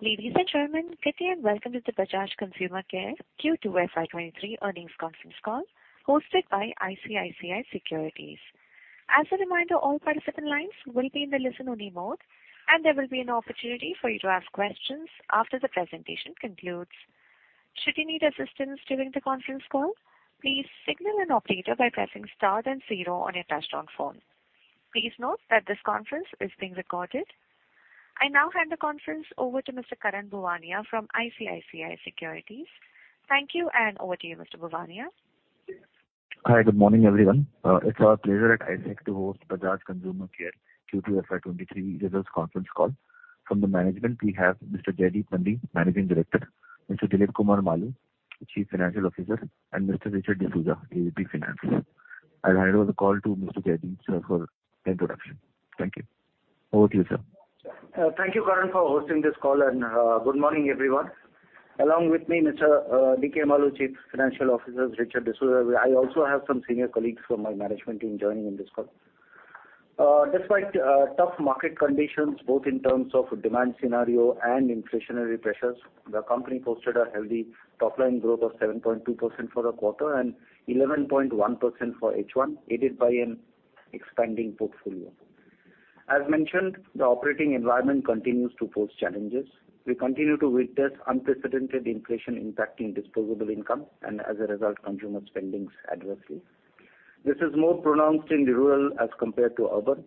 Ladies and gentlemen, good day and welcome to the Bajaj Consumer Care Q2 FY 2023 Earnings Conference Call hosted by ICICI Securities. As a reminder, all participant lines will be in the listen-only mode, and there will be an opportunity for you to ask questions after the presentation concludes. Should you need assistance during the conference call, please signal an operator by pressing star then zero on your touchtone phone. Please note that this conference is being recorded. I now hand the conference over to Mr. Karan Bhuwania from ICICI Securities. Thank you, and over to you, Mr. Bhuwania. Hi, good morning, everyone. It's our pleasure at ICICI to host Bajaj Consumer Care Q2 FY23 results conference call. From the management, we have Mr. Jaideep Nandi, Managing Director, Mr. Dilip Kumar Maloo, Chief Financial Officer, and Mr. Richard D'Souza, AVP Finance. I'll hand over the call to Mr. Jaideep, sir, for introduction. Thank you. Over to you, sir. Thank you, Karan, for hosting this call, and good morning, everyone. Along with me, Mr. D.K. Maloo, Chief Financial Officer, Richard D'Souza. I also have some senior colleagues from my management team joining in this call. Despite tough market conditions, both in terms of demand scenario and inflationary pressures, the company posted a healthy top line growth of 7.2% for the quarter and 11.1% for H1, aided by an expanding portfolio. As mentioned, the operating environment continues to pose challenges. We continue to witness unprecedented inflation impacting disposable income and, as a result, consumer spending adversely. This is more pronounced in the rural as compared to urban.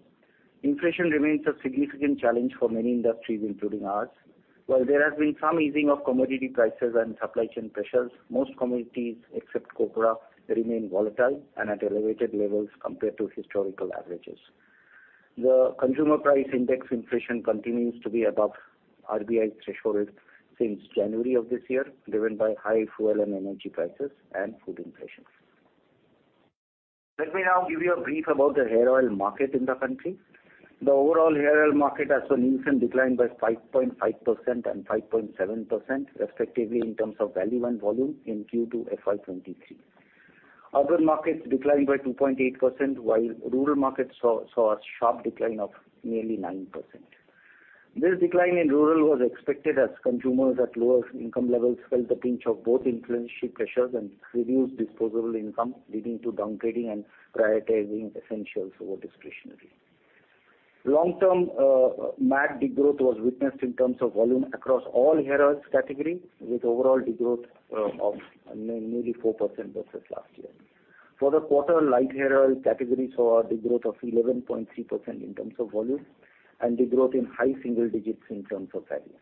Inflation remains a significant challenge for many industries, including ours. While there has been some easing of commodity prices and supply chain pressures, most commodities except copra remain volatile and at elevated levels compared to historical averages. The consumer price index inflation continues to be above RBI's threshold since January of this year, driven by high fuel and energy prices and food inflation. Let me now give you a brief about the hair oil market in the country. The overall hair oil market has shown instant decline by 5.5% and 5.7%, respectively, in terms of value and volume in Q2 FY 2023. Urban markets declined by 2.8%, while rural markets saw a sharp decline of nearly 9%. This decline in rural was expected as consumers at lower income levels felt the pinch of both inflationary pressures and reduced disposable income, leading to downgrading and prioritizing essentials over discretionary. Long-term, MAT degrowth was witnessed in terms of volume across all hair oils category, with overall decline of nearly 4% versus last year. For the quarter, light hair oil category saw a decline of 11.3% in terms of volume and decline in high single digits in terms of value.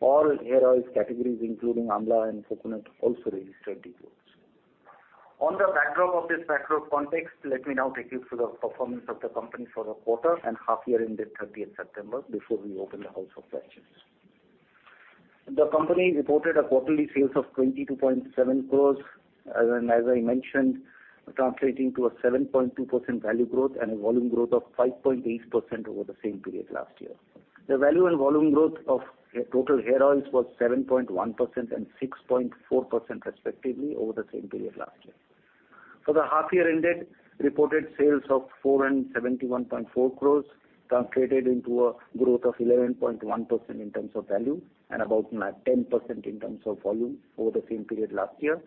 All hair oils categories, including amla and coconut, also registered declines. On the backdrop of this macro context, let me now take you through the performance of the company for the quarter and half year ended thirtieth September before we open the house for questions. The company reported quarterly sales of 222.7 crores, and as I mentioned, translating to a 7.2% value growth and a volume growth of 5.8% over the same period last year. The value and volume growth of total hair oils was 7.1% and 6.4% respectively over the same period last year. For the half year ended, reported sales of 471.4 crore translated into a growth of 11.1% in terms of value and about 10% in terms of volume over the same period last year.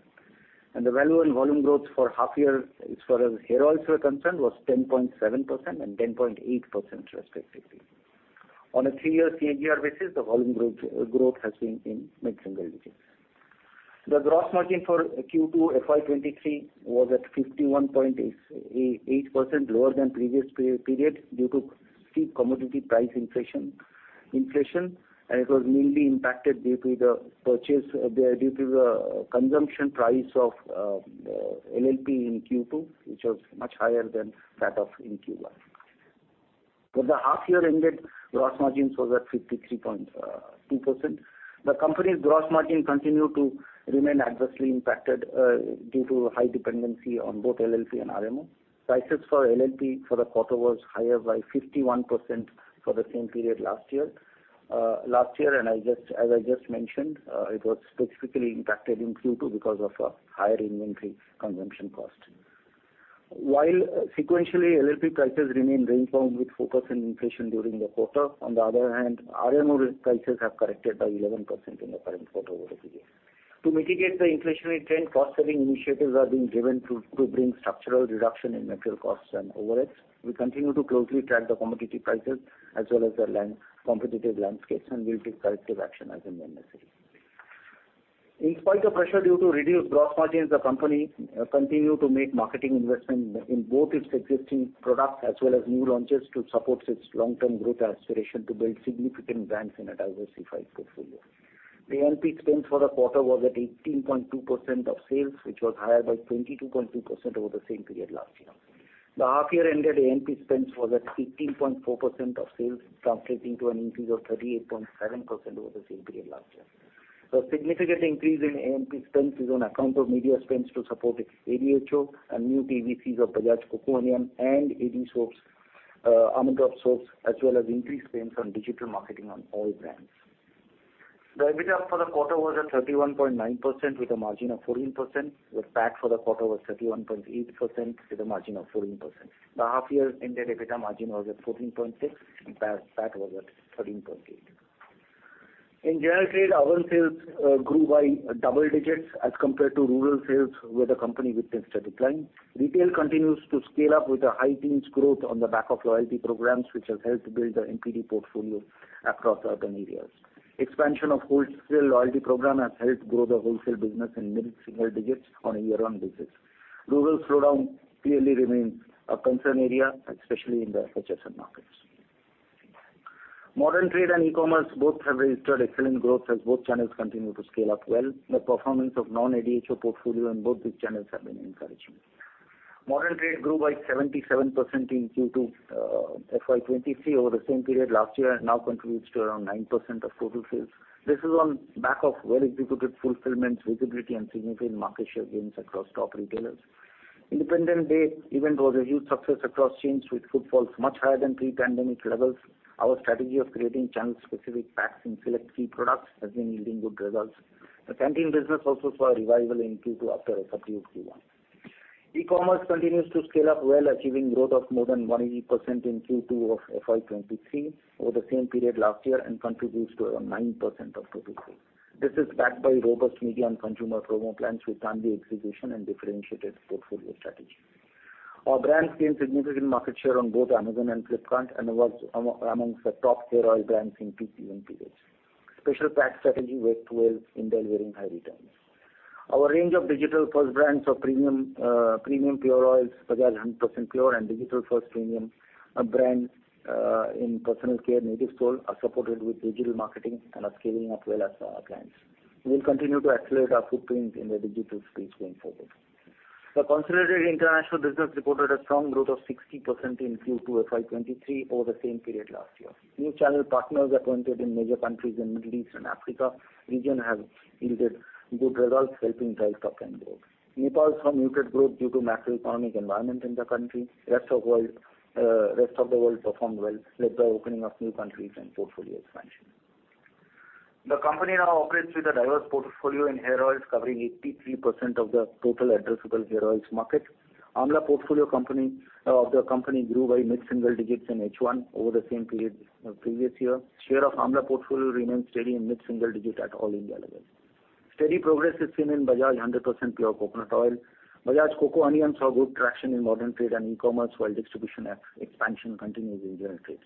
The value and volume growth for half year as far as hair oils were concerned was 10.7% and 10.8% respectively. On a three-year CAGR basis, the volume growth has been in mid-single digits. The gross margin for Q2 FY 2023 was at 51.8%, lower than previous period due to steep commodity price inflation, and it was mainly impacted due to the consumption price of LLP in Q2, which was much higher than that in Q1. For the half year ended, gross margins was at 53.2%. The company's gross margin continued to remain adversely impacted due to high dependency on both LLP and RMO. Prices for LLP for the quarter was higher by 51% for the same period last year, and as I just mentioned, it was specifically impacted in Q2 because of a higher inventory consumption cost. While sequentially, LLP prices remain range-bound with focus on inflation during the quarter, on the other hand, RMO prices have corrected by 11% in the current quarter over the year. To mitigate the inflationary trend, cost-saving initiatives are being driven to bring structural reduction in material costs and overheads. We continue to closely track the commodity prices as well as the competitive landscape, and we'll take corrective action as and when necessary. In spite of pressure due to reduced gross margins, the company continue to make marketing investment in both its existing products as well as new launches to support its long-term growth aspiration to build significant brands in a diversified portfolio. The A&P spend for the quarter was at 18.2% of sales, which was higher by 22.2% over the same period last year. The half year ended A&P spends was at 15.4% of sales, translating to an increase of 38.7% over the same period last year. The significant increase in A&P spends is on account of media spends to support its ADHO and new TVCs of Bajaj Coco Onion and AD soaps, Almond Drops Soap, as well as increased spends on digital marketing on all brands. The EBITDA for the quarter was at 31.9% with a margin of 14%. The PAT for the quarter was 31.8% with a margin of 14%. The half year ended EBITDA margin was at 14.6%, and PAT was at 13.8%. In general trade, our sales grew by double digits as compared to rural sales, where the company witnessed a decline. Retail continues to scale up with high-teens growth on the back of loyalty programs, which has helped build the NPD portfolio across urban areas. Expansion of wholesale loyalty program has helped grow the wholesale business in mid-single digits on a year-on-year basis. Rural slowdown clearly remains a concern area, especially in the HSM markets. Modern trade and e-commerce both have registered excellent growth as both channels continue to scale up well. The performance of non-ADHO portfolio in both these channels have been encouraging. Modern trade grew by 77% in Q2 FY 2023 over the same period last year and now contributes to around 9% of total sales. This is on back of well executed fulfillments, visibility and significant market share gains across top retailers. Independence Day event was a huge success across chains, with footfalls much higher than pre-pandemic levels. Our strategy of creating channel-specific packs in select key products has been yielding good results. The canteen business also saw a revival in Q2 after a subdued Q1. E-commerce continues to scale up well, achieving growth of more than 180% in Q2 of FY 2023 over the same period last year and contributes to around 9% of total sales. This is backed by robust media and consumer promo plans with timely execution and differentiated portfolio strategy. Our brands gained significant market share on both Amazon and Flipkart and was amongst the top hair oil brands in peak season periods. Special pack strategy worked well in delivering high returns. Our range of digital-first brands for premium pure oils, Bajaj 100% Pure and digital-first premium brands in personal care, Natyv Soul, are supported with digital marketing and are scaling up well as our plans. We'll continue to accelerate our footprints in the digital space going forward. The consolidated international business reported a strong growth of 60% in Q2 FY 2023 over the same period last year. New channel partners appointed in major countries in Middle East and Africa region have yielded good results, helping drive top-line growth. Nepal saw muted growth due to macroeconomic environment in the country. Rest of the world performed well, led by opening of new countries and portfolio expansion. The company now operates with a diverse portfolio in hair oils, covering 83% of the total addressable hair oils market. Amla portfolio of the company grew by mid-single digits in H1 over the same period previous year. Share of Amla portfolio remains steady in mid-single digit at all India levels. Steady progress is seen in Bajaj 100% Pure Coconut Oil. Bajaj Coco Onion saw good traction in modern trade and e-commerce, while distribution expansion continues in general trade.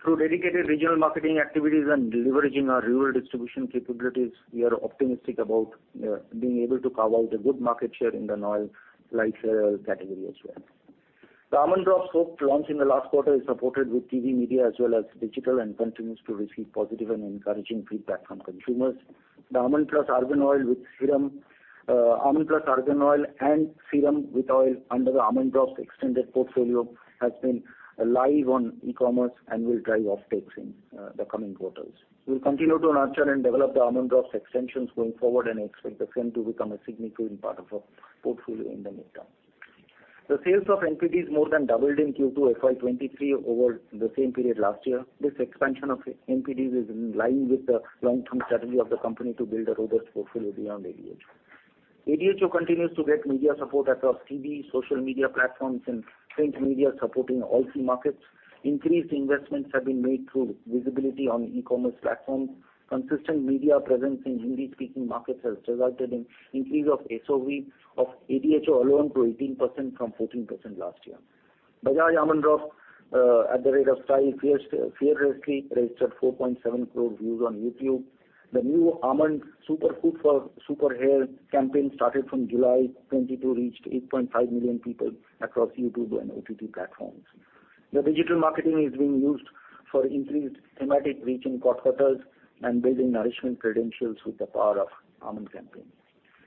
Through dedicated regional marketing activities and leveraging our rural distribution capabilities, we are optimistic about being able to carve out a good market share in the light hair oil category as well. The Almond Drops soap launch in the last quarter is supported with TV media as well as digital, and continues to receive positive and encouraging feedback from consumers. The Almond + Argan Oil with serum, Almond + Argan Oil and serum with oil under the Almond Drops extended portfolio has been live on e-commerce and will drive offtakes in the coming quarters. We'll continue to nurture and develop the Almond Drops extensions going forward and expect the same to become a significant part of our portfolio in the midterm. The sales of NPDs more than doubled in Q2 FY 2023 over the same period last year. This expansion of NPDs is in line with the long-term strategy of the company to build a robust portfolio beyond ADHO. ADHO continues to get media support across TV, social media platforms and print media supporting all key markets. Increased investments have been made through visibility on e-commerce platforms. Consistent media presence in Hindi-speaking markets has resulted in increase of SOV of ADHO alone to 18% from 14% last year. Bajaj Almond Drops #StyleFearlessly registered 4.7 crore views on YouTube. The new Almond Super Food for Super Hair campaign started from July 2022, reached 8.5 million people across YouTube and OTT platforms. The digital marketing is being used for increased thematic reach in quartiles and building nourishment credentials with the power of almond campaign.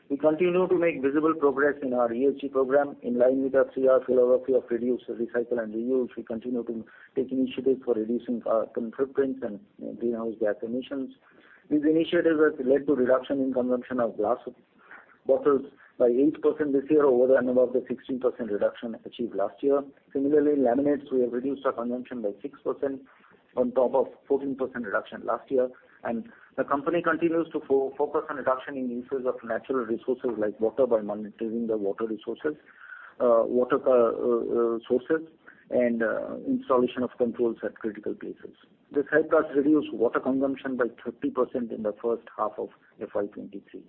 We continue to make visible progress in our ESG program. In line with our 3R philosophy of reduce, recycle, and reuse, we continue to take initiatives for reducing our carbon footprints and greenhouse gas emissions. These initiatives have led to reduction in consumption of glass bottles by 8% this year over and above the 16% reduction achieved last year. Similarly, laminates, we have reduced our consumption by 6% on top of 14% reduction last year. The company continues to focus on reduction in usage of natural resources like water by monitoring the water resources, water sources and installation of controls at critical places. This helped us reduce water consumption by 30% in the first half of FY 2023.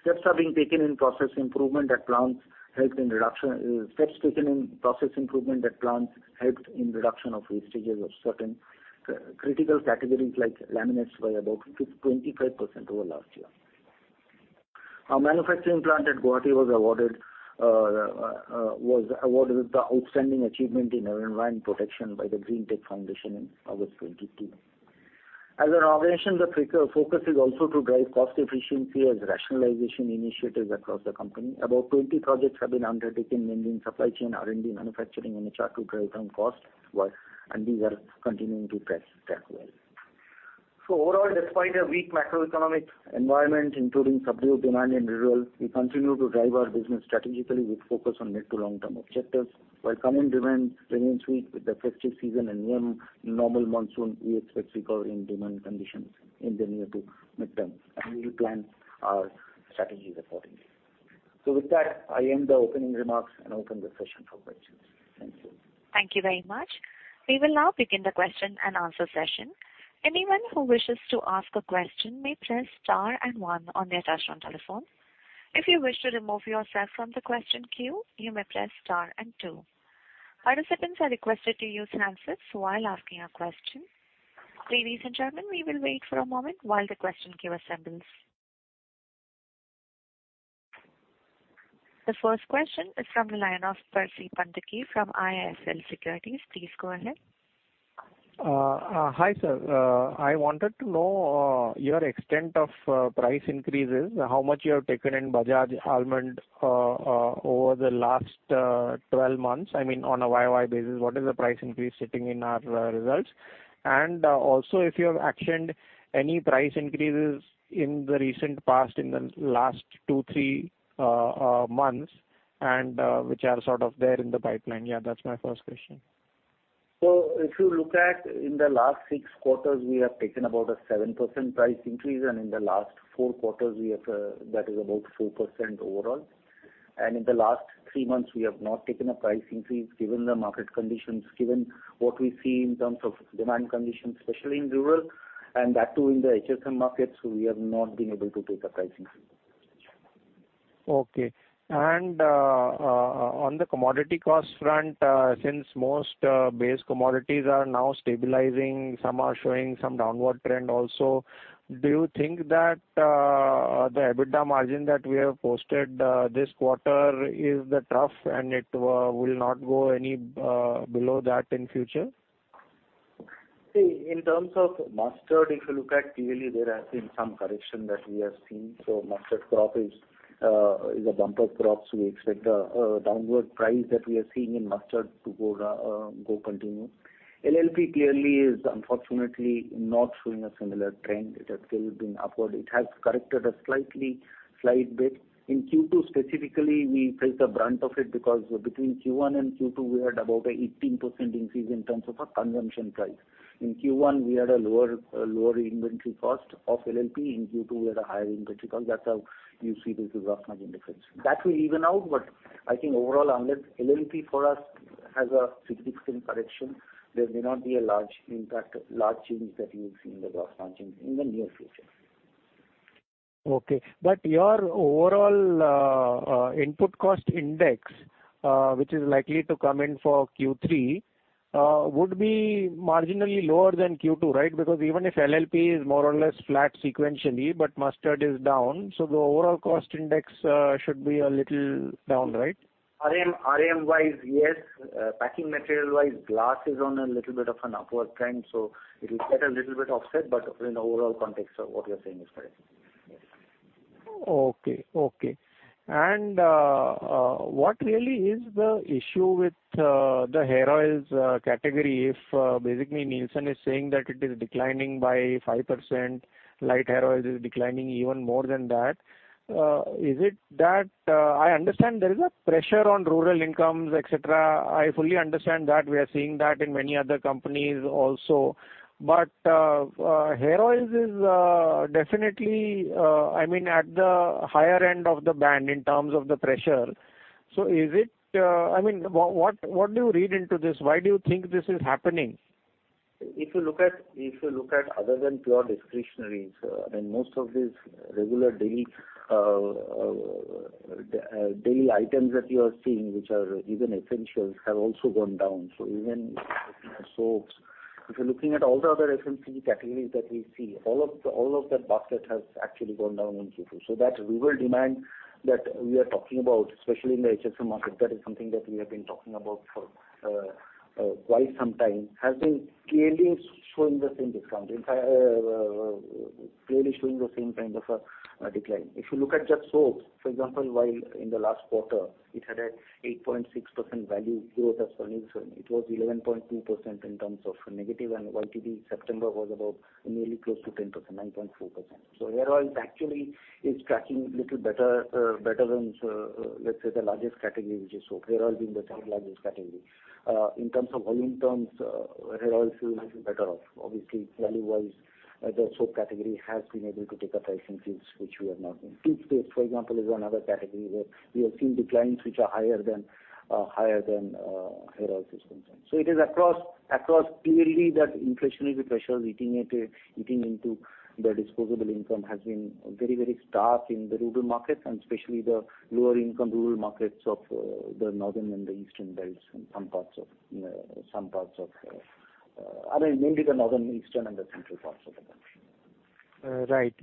Steps taken in process improvement at plants helped in reduction of wastages of certain critical categories like laminates by about 25% over last year. Our manufacturing plant at Guwahati was awarded with the outstanding achievement in environment protection by the Greentech Foundation in August 2022. As an organization, the focus is also to drive cost efficiency as rationalization initiatives across the company. About 20 projects have been undertaken in supply chain, R&D, manufacturing and HR to drive down costs, and these are continuing to track well. Overall, despite a weak macroeconomic environment, including subdued demand in rural, we continue to drive our business strategically with focus on mid- to long-term objectives. While current demand remains weak with the festive season and normal monsoon, we expect recovery in demand conditions in the near- to midterm, and we will plan our strategies accordingly. With that, I end the opening remarks and open the session for questions. Thank you. Thank you very much. We will now begin the question and answer session. Anyone who wishes to ask a question may press star and one on their touch-tone telephone. If you wish to remove yourself from the question queue, you may press star and two. Participants are requested to use handsets while asking a question. Ladies and gentlemen, we will wait for a moment while the question queue assembles. The first question is from the line of Percy Panthaki from IIFL Securities. Please go ahead. Hi, sir. I wanted to know your extent of price increases, how much you have taken in Bajaj Almond over the last 12 months. I mean, on a YOY basis, what is the price increase sitting in our results? Also if you have actioned any price increases in the recent past, in the last two, three months and which are sort of there in the pipeline. Yeah, that's my first question. If you look at in the last six quarters, we have taken about a 7% price increase, and in the last four quarters we have, that is about 4% overall. In the last three months, we have not taken a price increase given the market conditions, given what we see in terms of demand conditions, especially in rural, and that too in the HSM markets, we have not been able to take a price increase. Okay. On the commodity cost front, since most base commodities are now stabilizing, some are showing some downward trend also, do you think that the EBITDA margin that we have posted this quarter is the trough and it will not go any below that in future? See, in terms of mustard, if you look at clearly there has been some correction that we have seen. Mustard crop is a bumper crop, so we expect a downward price that we are seeing in mustard to continue. LLP clearly is unfortunately not showing a similar trend. It has still been upward. It has corrected a slight bit. In Q2 specifically, we faced the brunt of it because between Q1 and Q2 we had about 18% increase in terms of a consumption price. In Q1 we had a lower inventory cost of LLP. In Q2 we had a higher inventory cost. That's how you see this gross margin difference. That will even out, but I think overall, unless LLP for us has a significant correction, there may not be a large impact, large change that you'll see in the gross margin in the near future. Okay. Your overall input cost index, which is likely to come in for Q3, would be marginally lower than Q2, right? Because even if LLP is more or less flat sequentially, but mustard is down, so the overall cost index should be a little down, right? RM-wise, yes. Packing material-wise, glass is on a little bit of an upward trend, so it will get a little bit offset. In the overall context of what you're saying is correct. Yes. Okay. Okay. What really is the issue with the hair oils category if basically Nielsen is saying that it is declining by 5%, light hair oil is declining even more than that. Is it that I understand there is a pressure on rural incomes, et cetera. I fully understand that. We are seeing that in many other companies also. Hair oils is definitely, I mean, at the higher end of the band in terms of the pressure. Is it, I mean, what do you read into this? Why do you think this is happening? If you look at other than pure discretionary, and most of these regular daily items that you are seeing, which are even essentials, have also gone down. Even soaps. If you're looking at all the other FMCG categories that we see, all of that basket has actually gone down in Q2. That rural demand that we are talking about, especially in the HSM market, that is something that we have been talking about for quite some time, has been clearly showing the same discount. In fact, clearly showing the same kind of a decline. If you look at just soaps, for example, while in the last quarter it had an 8.6% value growth as per Nielsen, it was 11.2% in terms of negative and YTD September was about nearly close to 10%, 9.4%. Hair oils actually is tracking little better than, let's say, the largest category, which is soap. Hair oil being the third-largest category. In terms of volume terms, hair oil is doing much better off. Obviously, value-wise, the soap category has been able to take the price increase, which we have not been. Toothpaste, for example, is another category where we have seen declines which are higher than hair oil is concerned. It is across the board clearly that inflationary pressures eating into the disposable income has been very stark in the rural markets and especially the lower income rural markets of the northern and the eastern belts and some parts of, I mean, mainly the northern, eastern and the central parts of the country.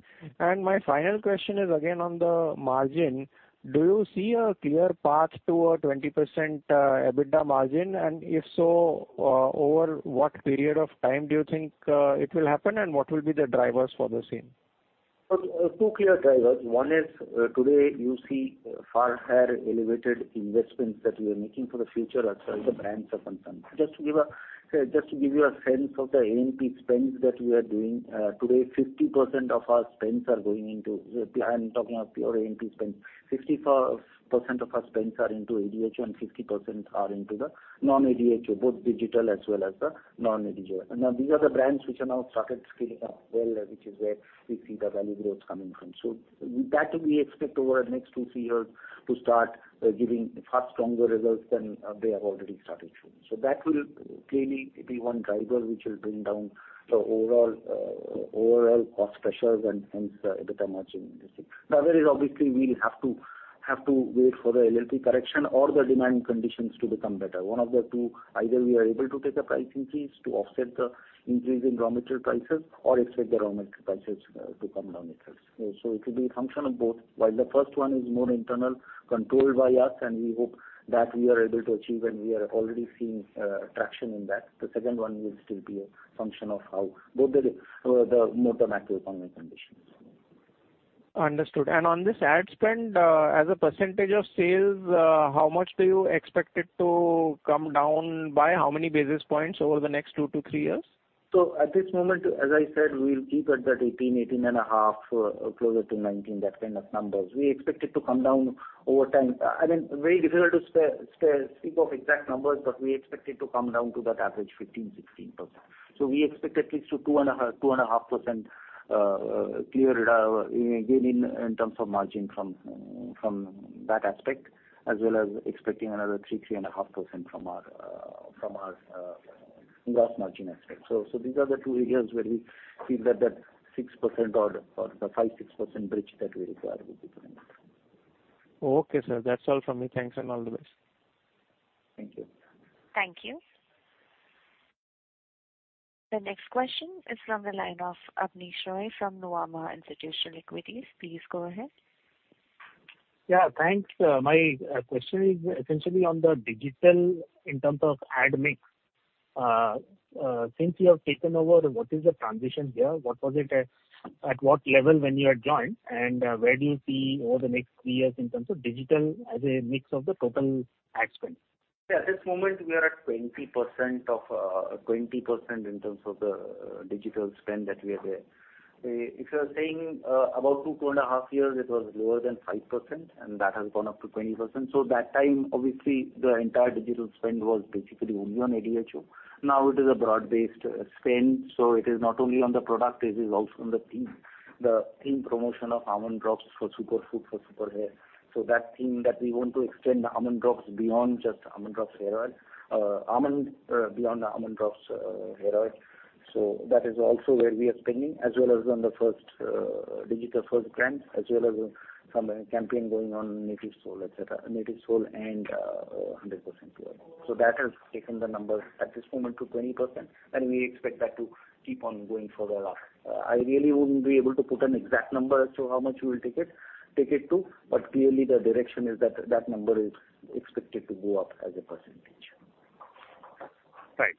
My final question is again on the margin. Do you see a clear path to a 20% EBITDA margin? If so, over what period of time do you think it will happen and what will be the drivers for the same? Two clear drivers. One is today you see far higher elevated investments that we are making for the future as far as the brands are concerned. Just to give you a sense of the A&P spends that we are doing, today 50% of our spends are going into. I'm talking of pure A&P spends. 50% of our spends are into ADHO, and 50% are into the non-ADHO, both digital as well as the non-digital. Now these are the brands which are now started scaling up well, which is where we see the value growth coming from. That we expect over the next two, three years to start giving far stronger results than they have already started showing. That will clearly be one driver which will bring down the overall cost pressures and hence the EBITDA margin we see. The other is obviously we will have to wait for the LLP correction or the demand conditions to become better. One of the two, either we are able to take the price increase to offset the increase in raw material prices or expect the raw material prices to come down itself. It will be a function of both, while the first one is more internal, controlled by us, and we hope that we are able to achieve, and we are already seeing traction in that. The second one will still be a function of how the macroeconomic conditions. Understood. On this ad spend, as a percentage of sales, how much do you expect it to come down by? How many basis points over the next two to three years? At this moment, as I said, we'll keep at that 18.5%, closer to 19%, that kind of numbers. We expect it to come down over time. I mean, very difficult to speak of exact numbers, but we expect it to come down to that average 15%, 16%. We expect at least 2.5% gain in terms of margin from that aspect, as well as expecting another 3.5% from our gross margin aspect. These are the two areas where we feel that 6% or the 5%-6% bridge that we require will be coming from. Okay, sir. That's all from me. Thanks and all the best. Thank you. Thank you. The next question is from the line of Abneesh Roy from Nuvama Institutional Equities. Please go ahead. Yeah, thanks. My question is essentially on the digital in terms of ad mix. Since you have taken over, what is the transition here? What was it at what level when you had joined? Where do you see over the next three years in terms of digital as a mix of the total ad spend? Yeah, at this moment, we are at 20% in terms of the digital spend that we have there. If you're saying about two and a half years, it was lower than 5%, and that has gone up to 20%. That time, obviously, the entire digital spend was basically only on ADHO. Now it is a broad-based spend. It is not only on the product, it is also on the theme promotion of Almond Drops for Super Food for Super Hair. That theme that we want to extend the Almond Drops beyond just Almond Drops hair oil. That is also where we are spending, as well as on the first digital-first brand, as well as some campaigns going on Natyv Soul, etc. Natyv Soul and 100% Pure. That has taken the numbers at this moment to 20%, and we expect that to keep on going further up. I really wouldn't be able to put an exact number as to how much we will take it to, but clearly the direction is that that number is expected to go up as a percentage. Right.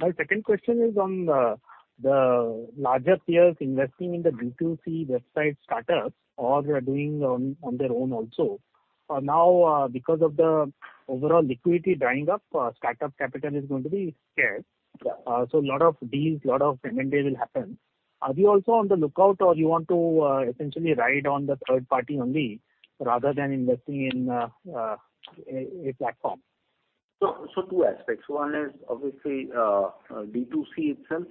My second question is on the larger peers investing in the B2C website startups or doing on their own also. For now, because of the overall liquidity drying up, startup capital is going to be scarce. Lot of deals, lot of M&A will happen. Are you also on the lookout or you want to essentially ride on the third party only rather than investing in a platform? Two aspects. One is obviously D2C itself,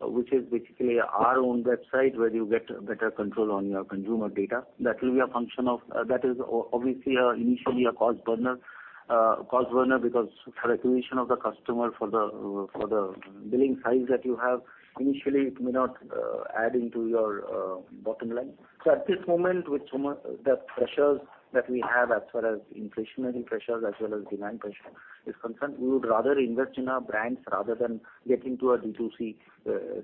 which is basically our own website where you get better control on your consumer data. That is obviously initially a cost burner. Cost burner because for acquisition of the customer, for the billing size that you have, initially it may not add into your bottom line. At this moment, with the pressures that we have as far as inflationary pressures as well as demand pressure is concerned, we would rather invest in our brands rather than get into a D2C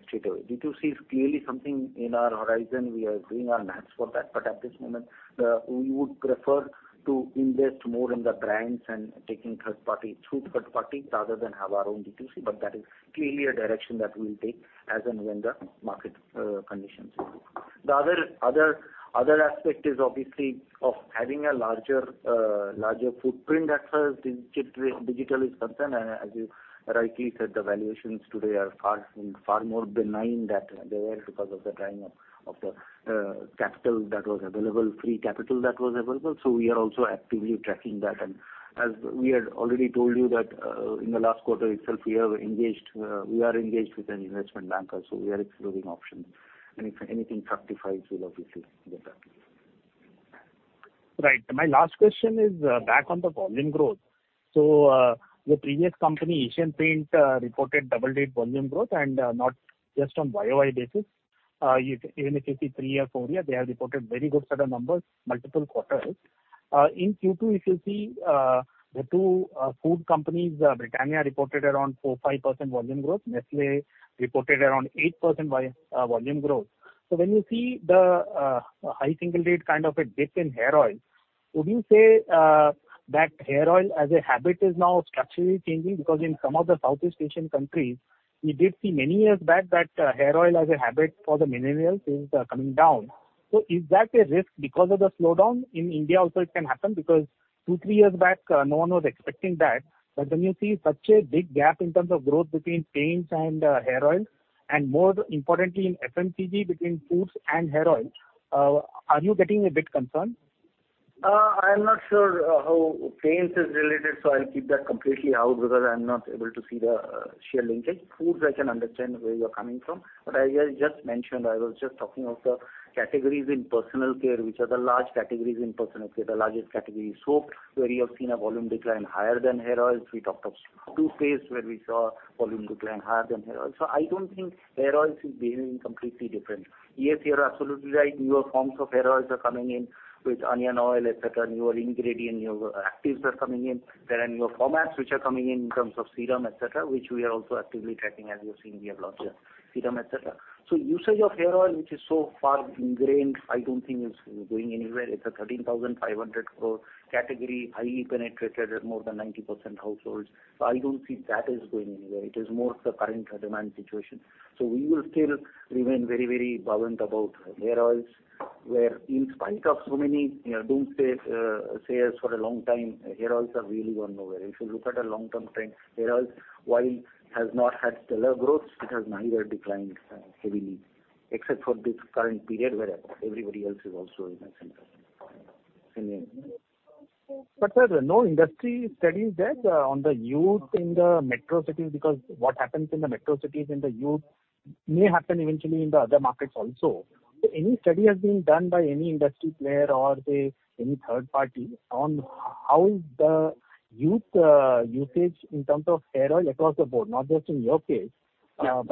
straightaway. D2C is clearly something in our horizon. We are doing our maths for that. At this moment, we would prefer to invest more in the brands and taking third party, through third party rather than have our own D2C. That is clearly a direction that we'll take as and when the market conditions improve. The other aspect is obviously of having a larger footprint as far as digital is concerned. As you rightly said, the valuations today are far more benign than they were because of the drying up of the capital that was available, free capital that was available. We are also actively tracking that. As we had already told you that, in the last quarter itself, we are engaged with an investment banker, so we are exploring options. If anything justifies, we'll obviously get that. Right. My last question is, back on the volume growth. Your previous company, Asian Paints, reported double-digit volume growth and, not just on year-over-year basis. Even if you see three or four year, they have reported very good set of numbers, multiple quarters. In Q2, if you see, the two food companies, Britannia reported around 4%-5% volume growth. Nestlé reported around 8% volume growth. When you see the high single-digit kind of a dip in hair oil. Would you say that hair oil as a habit is now structurally changing? Because in some of the Southeast Asian countries, we did see many years back that hair oil as a habit for the millennials is coming down. Is that a risk because of the slowdown? In India also it can happen because two, three years back, no one was expecting that. When you see such a big gap in terms of growth between paints and hair oils, and more importantly in FMCG between foods and hair oils, are you getting a bit concerned? I'm not sure how paints is related, so I'll keep that completely out because I'm not able to see the sheer linkage. Foods, I can understand where you're coming from, but as I just mentioned, I was just talking of the categories in personal care, which are the large categories in personal care. The largest category is soap, where you have seen a volume decline higher than hair oils. We talked of toothpaste, where we saw volume decline higher than hair oils. I don't think hair oils is behaving completely different. Yes, you're absolutely right. Newer forms of hair oils are coming in with onion oil, et cetera. Newer ingredient, newer actives are coming in. There are newer formats which are coming in terms of serum, et cetera, which we are also actively tracking. As you've seen, we have launched serum, et cetera. Usage of hair oil, which is so far ingrained, I don't think is going anywhere. It's a 13,500 crore category, highly penetrated at more than 90% households. I don't see that as going anywhere. It is more of the current demand situation. We will still remain very, very buoyant about hair oils, where in spite of so many, you know, doomsayers for a long time, hair oils have really gone nowhere. If you look at a long-term trend, hair oils, while it has not had stellar growth, it has neither declined heavily except for this current period where everybody else is also in a similar situation. Sir, no industry study is there on the youth in the metro cities, because what happens in the metro cities in the youth may happen eventually in the other markets also. Any study has been done by any industry player or say any third party on how the youth usage in terms of hair oil across the board, not just in your case? Yeah.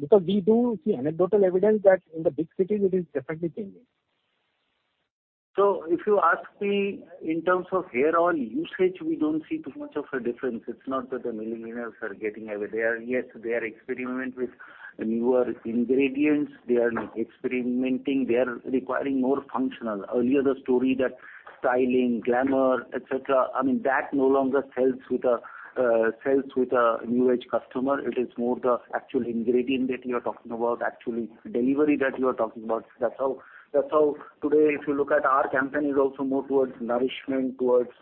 Because we do see anecdotal evidence that in the big cities it is definitely changing. If you ask me in terms of hair oil usage, we don't see too much of a difference. It's not that the millennials are getting away. They are. Yes, they are experiment with newer ingredients. They are experimenting. They are requiring more functional. Earlier, the story that styling, glamour, et cetera, I mean that no longer sells with a new age customer. It is more the actual ingredient that you are talking about, actually delivery that you are talking about. That's how today, if you look at our campaign is also more towards nourishment, towards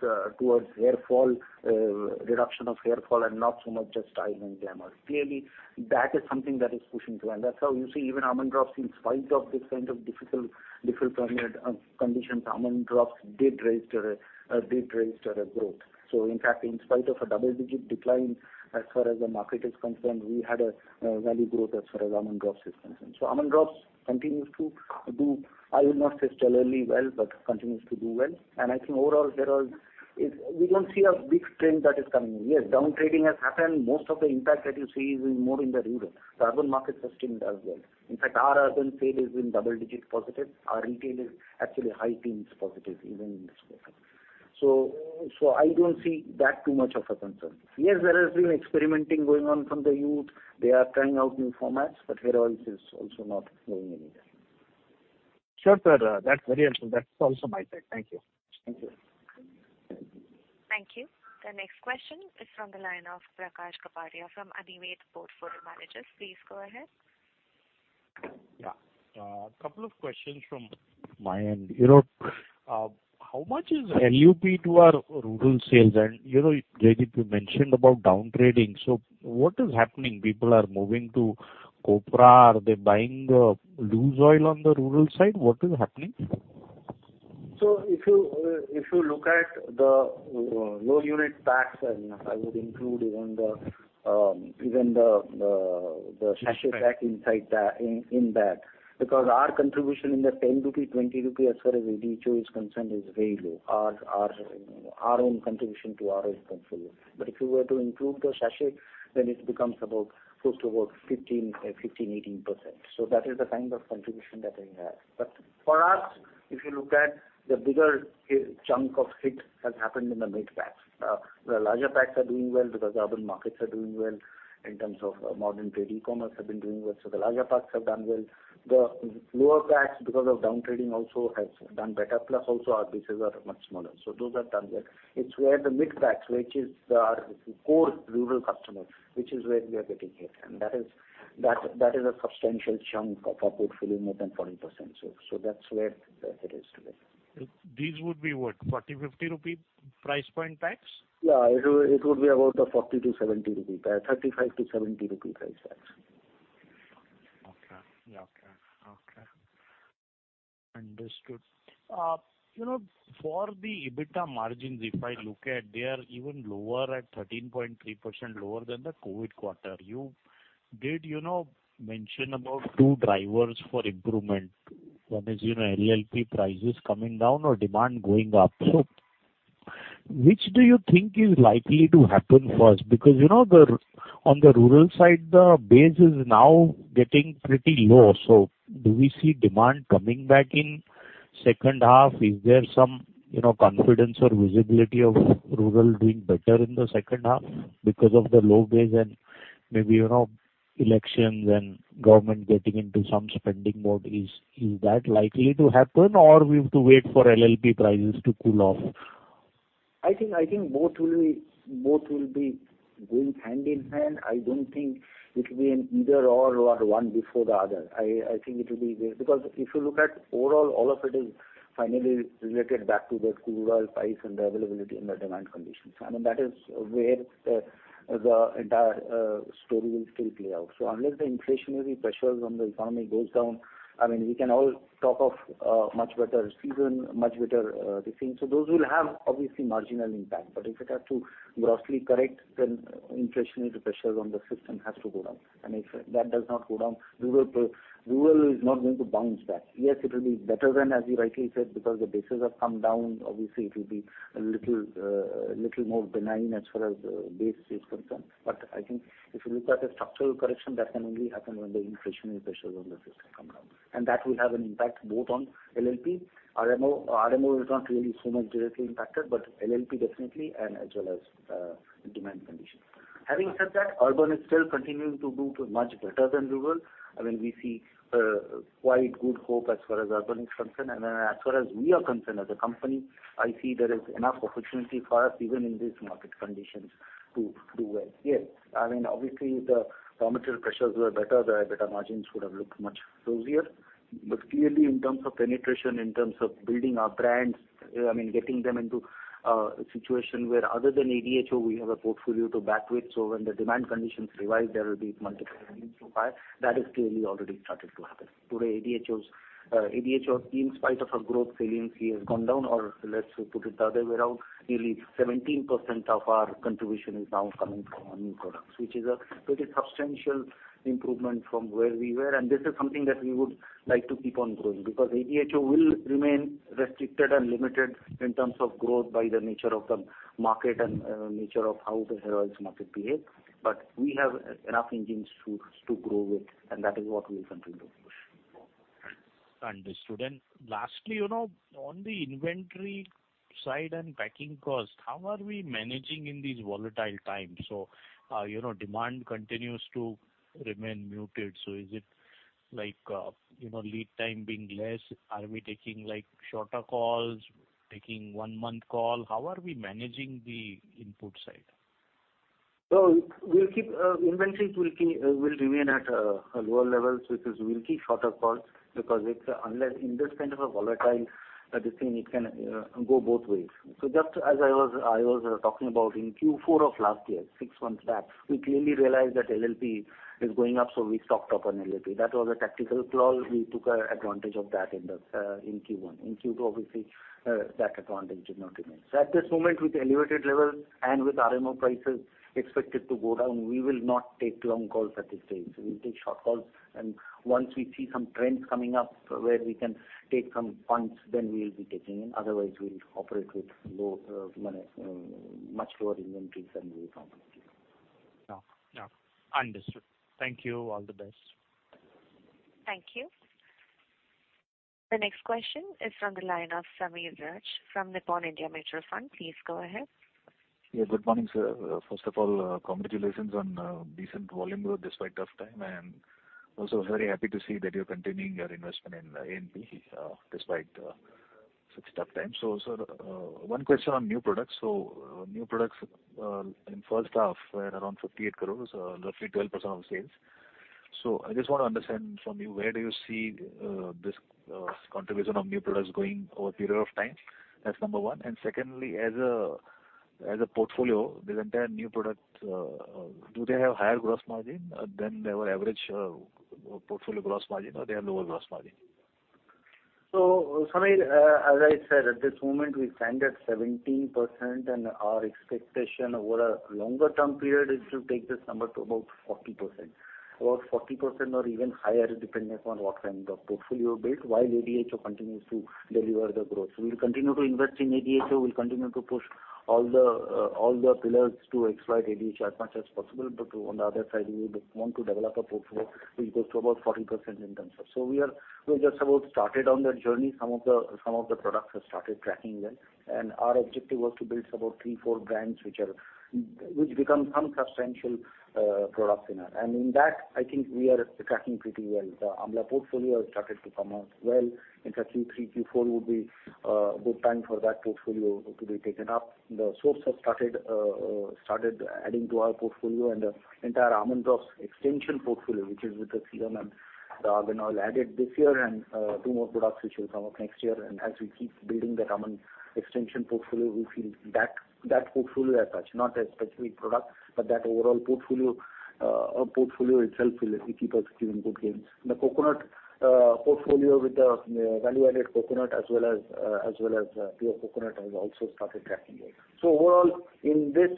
hair fall, reduction of hair fall and not so much just style and glamour. Clearly, that is something that is pushing through. That's how you see even Almond Drops, in spite of this kind of difficult period, conditions. Almond Drops did register a growth. In fact, in spite of a double-digit decline as far as the market is concerned, we had a value growth as far as Almond Drops is concerned. Almond Drops continues to do, I will not say stellarly well, but continues to do well. I think overall hair oils we don't see a big trend that is coming in. Yes, down trading has happened. Most of the impact that you see is in more in the rural. The urban markets are still as well. In fact, our urban trade is in double-digit positive. Our retail is actually high teens positive even in this quarter. I don't see that too much of a concern. Yes, there has been experimenting going on from the youth. They are trying out new formats, but hair oils is also not going anywhere. Sure, sir. That's very helpful. That's also my take. Thank you. Thank you. Thank you. The next question is from the line of Prakash Kapadia from Anived Portfolio Managers. Please go ahead. Yeah. A couple of questions from my end. You know, how much is LUP to our rural sales? You know, Jaideep, you mentioned about down trading. What is happening? People are moving to copra. Are they buying the loose oil on the rural side? What is happening? If you look at the low unit packs and I would include even the sachet pack inside that. Because our contribution in that 10 rupee, 20 rupee as far as ADHO is concerned is very low. Our own contribution to ADHO is quite low. If you were to include the sachet, then it becomes about close to about 15%, 18%. That is the kind of contribution that we have. For us, if you look at the bigger chunk of it has happened in the mid packs. The larger packs are doing well because the urban markets are doing well in terms of modern trade. e-commerce have been doing well. The larger packs have done well. The lower packs, because of down trading also, has done better, plus also our prices are much smaller. Those are done well. It is where the mid packs, which is our core rural customers, which is where we are getting hit. That is a substantial chunk of hopefully more than 14%. That's where the hit is today. These would be what? 40-50 rupee price point packs? Yeah. It would be about a 40-70 rupee pack, 35-70 rupee price packs. You know, for the EBITDA margins, if I look at them, they are even lower at 13.3% lower than the COVID quarter. You did, you know, mention about two drivers for improvement. One is, you know, LLP prices coming down or demand going up. Which do you think is likely to happen first? Because, you know, on the rural side, the base is now getting pretty low. Do we see demand coming back in second half? Is there some, you know, confidence or visibility of rural doing better in the second half because of the low base and maybe, you know, elections and government getting into some spending mode? Is that likely to happen? Or we have to wait for LLP prices to cool off? I think both will be going hand in hand. I don't think it will be an either/or one before the other. I think it will be there. Because if you look at overall, all of it is finally related back to the crude oil price and the availability and the demand conditions. I mean, that is where the entire story will still play out. Unless the inflationary pressures on the economy goes down, I mean, we can all talk of much better season, much better these things. Those will have obviously marginal impact. But if it has to grossly correct, then inflationary pressures on the system has to go down. If that does not go down, rural is not going to bounce back. Yes, it will be better than, as you rightly said, because the bases have come down. Obviously, it will be a little more benign as far as base is concerned. I think if you look at the structural correction, that can only happen when the inflationary pressures on the system come down. That will have an impact both on LLP, RMO. RMO is not really so much directly impacted, but LLP definitely and as well as demand conditions. Having said that, urban is still continuing to do much better than rural. I mean, we see quite good hope as far as urban is concerned. Then as far as we are concerned as a company, I see there is enough opportunity for us even in this market conditions to do well. Yes. I mean, obviously, if the raw material pressures were better, the better margins would have looked much rosier. Clearly, in terms of penetration, in terms of building our brands, I mean, getting them into a situation where other than ADHO, we have a portfolio to back with. When the demand conditions arise, there will be multiple engines to fire. That is clearly already started to happen. Today, ADHO's ADHO, in spite of our growth ceilings, we have gone down, or let's put it the other way around, nearly 17% of our contribution is now coming from our new products, which is a pretty substantial improvement from where we were. This is something that we would like to keep on growing, because ADHO will remain restricted and limited in terms of growth by the nature of the market and nature of how the hair oils market behaves. We have enough engines to grow with, and that is what we'll continue to push. Understood. Lastly, you know, on the inventory side and packing cost, how are we managing in these volatile times? You know, demand continues to remain muted. Is it like, you know, lead time being less? Are we taking like shorter calls, taking one-month call? How are we managing the input side? We'll keep inventories will remain at a lower level, which is we'll keep shorter calls because it's unless in this kind of a volatile this thing, it can go both ways. Just as I was talking about in Q4 of last year, six months back, we clearly realized that LLP is going up, so we stocked up on LLP. That was a tactical call. We took advantage of that in Q1. In Q2, obviously, that advantage did not remain. At this moment, with elevated levels and with RMO prices expected to go down, we will not take long calls at this stage. We'll take short calls, and once we see some trends coming up where we can take some funds, then we'll be taking in. Otherwise, we'll operate with low, much lower inventories than we normally do. Yeah. Yeah. Understood. Thank you. All the best. Thank you. The next question is from the line of Sameer Rachh from Nippon India Mutual Fund. Please go ahead. Yeah, good morning, sir. First of all, congratulations on decent volume growth despite tough time, and also very happy to see that you're continuing your investment in A&P, despite such tough times. One question on new products. New products in first half were around 58 crore, roughly 12% of sales. I just want to understand from you, where do you see this contribution of new products going over a period of time? That's number one. Secondly, as a portfolio, the entire new product do they have higher gross margin than their average portfolio gross margin, or they have lower gross margin? Sameer, as I said, at this moment, we stand at 17%, and our expectation over a longer term period is to take this number to about 40%. About 40% or even higher, depending upon what kind of portfolio built while ADHO continues to deliver the growth. We'll continue to invest in ADHO. We'll continue to push all the pillars to exploit ADHO as much as possible. But on the other side, we would want to develop a portfolio which goes to about 40% in terms of. We just about started on that journey. Some of the products have started tracking well. Our objective was to build about three, four brands which are, which become some substantial products in that. In that, I think we are tracking pretty well. The Amla portfolio has started to come out well. In fact, Q3, Q4 would be a good time for that portfolio to be taken up. The soaps has started adding to our portfolio and the entire Almond Drops extension portfolio, which is with the serum and the argan oil added this year and two more products which will come up next year. As we keep building that Almond extension portfolio, we feel that that portfolio as such, not a specific product, but that overall portfolio itself will keep us giving good gains. The Coconut portfolio with the value-added Coconut as well as pure Coconut has also started tracking well. Overall, in this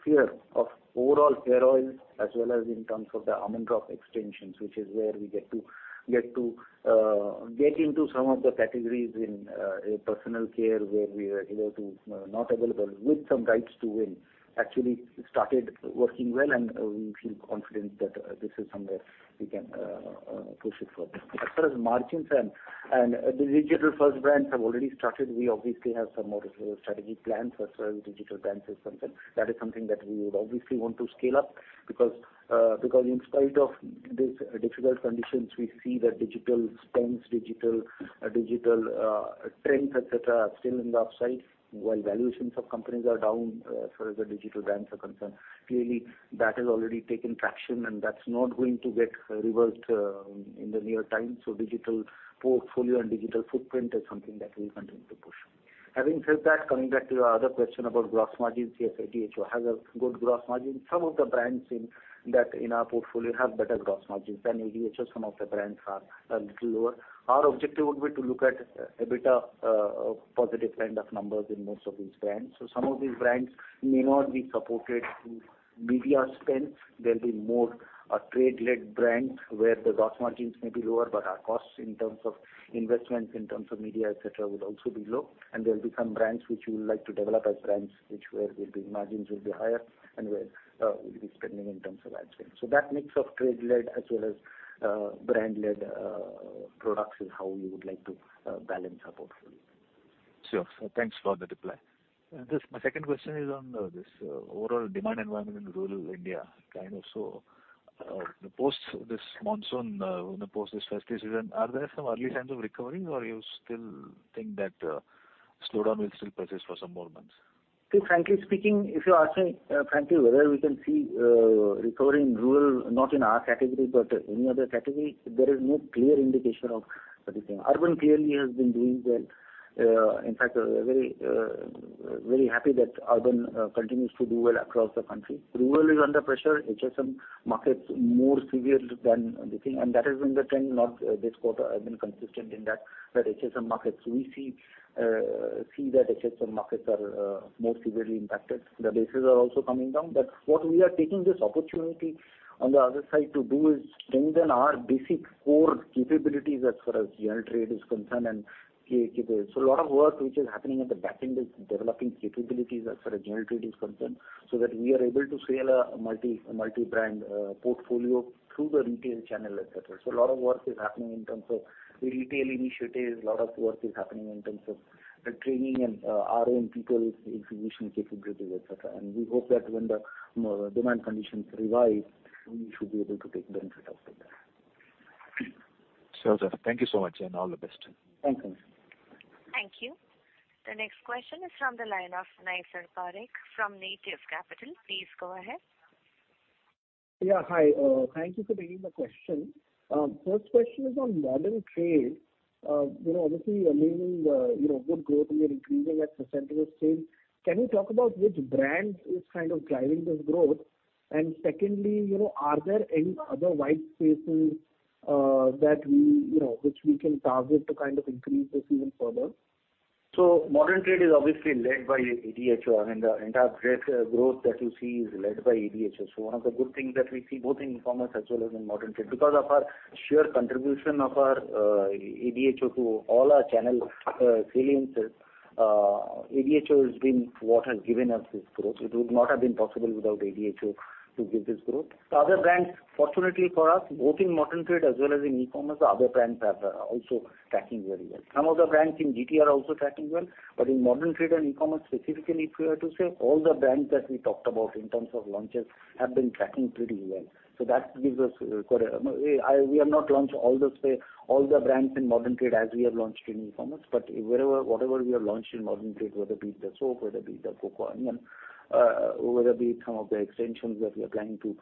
sphere of overall hair oils as well as in terms of the Almond Drops extensions, which is where we get into some of the categories in personal care where we were able to now available with some right to win, actually started working well and we feel confident that this is somewhere we can push it further. As far as margins and the digital first brands have already started, we obviously have some more strategic plans as far as digital brands is concerned. That is something that we would obviously want to scale up because in spite of this difficult conditions, we see that digital spends, digital trends, et cetera, are still in the upside. While valuations of companies are down as far as the digital brands are concerned, clearly that has already gained traction, and that's not going to get reversed in the near term. Digital portfolio and digital footprint is something that we'll continue to push on. Having said that, coming back to your other question about gross margins, yes, ADHO has a good gross margin. Some of the brands in our portfolio have better gross margins than ADHO. Some of the brands are a little lower. Our objective would be to look at a bit of positive kind of numbers in most of these brands. Some of these brands may not be supported through media spends. They'll be more a trade-led brand where the gross margins may be lower, but our costs in terms of investments, in terms of media, et cetera, would also be low. There'll be some brands which we would like to develop as brands where margins will be higher and where we'll be spending in terms of ad spend. That mix of trade-led as well as brand-led products is how we would like to balance our portfolio. Sure. Thanks for the reply. Just my second question is on this overall demand environment in rural India. Kind of, the post-monsoon, in the post-festive season, are there some early signs of recovering or you still think that slowdown will still persist for some more months? Frankly speaking, if you ask me, frankly whether we can see recovery in rural, not in our category, but any other category, there is no clear indication of that, is there? Urban clearly has been doing well. In fact, very very happy that urban continues to do well across the country. Rural is under pressure. HSM market's more severe than we think, and that has been the trend, not this quarter, has been consistent in that HSM markets we see that HSM markets are more severely impacted. The bases are also coming down. What we are taking this opportunity on the other side to do is strengthen our basic core capabilities as far as general trade is concerned. A lot of work which is happening at the back end is developing capabilities as far as general trade is concerned, so that we are able to sell a multi-brand portfolio through the retail channel, et cetera. A lot of work is happening in terms of retail initiatives. A lot of work is happening in terms of the training and our own people's execution capabilities, et cetera. We hope that when the demand conditions revise, we should be able to take benefit of the same. Sure, sir. Thank you so much, and all the best. Thank you. Thank you. The next question is from the line of Naysar Parikh from Native Capital. Please go ahead. Yeah, hi. Thank you for taking the question. First question is on modern trade. You know, obviously, you're seeing the good growth in your increasing at percentage trade. Can you talk about which brand is kind of driving this growth? And secondly, you know, are there any other white spaces that we, you know, which we can target to kind of increase this even further? Modern trade is obviously led by ADHO. I mean, the entire growth that you see is led by ADHO. One of the good things that we see both in e-commerce as well as in modern trade, because of our sheer contribution of our ADHO to all our channel sales, ADHO has been what has given us this growth. It would not have been possible without ADHO to give this growth. The other brands, fortunately for us, both in modern trade as well as in e-commerce, the other brands are also tracking very well. Some of the brands in GT are also tracking well. In modern trade and e-commerce specifically, if we were to say, all the brands that we talked about in terms of launches have been tracking pretty well. We have not launched all the brands in modern trade as we have launched in e-commerce. Wherever whatever we have launched in modern trade, whether it be the soap, whether it be the Coco Onion, whether it be some of the extensions that we are planning to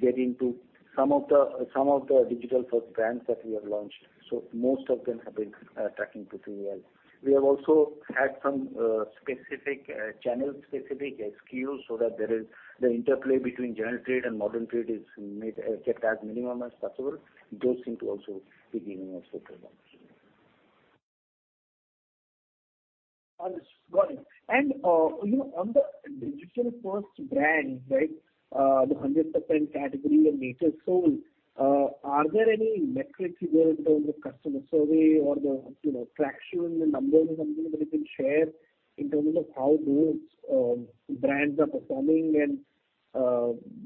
get into, some of the digital first brands that we have launched, most of them have been tracking pretty well. We have also had some specific channel-specific SKUs so that there is the interplay between general trade and modern trade is kept as minimum as possible. Those seem to also be giving us good results. Understood. Got it. You know, on the digital-first brand, right, the 100% category of Natyv Soul, are there any metrics there in terms of customer survey or the, you know, traction and numbers or something that you can share in terms of how those brands are performing and,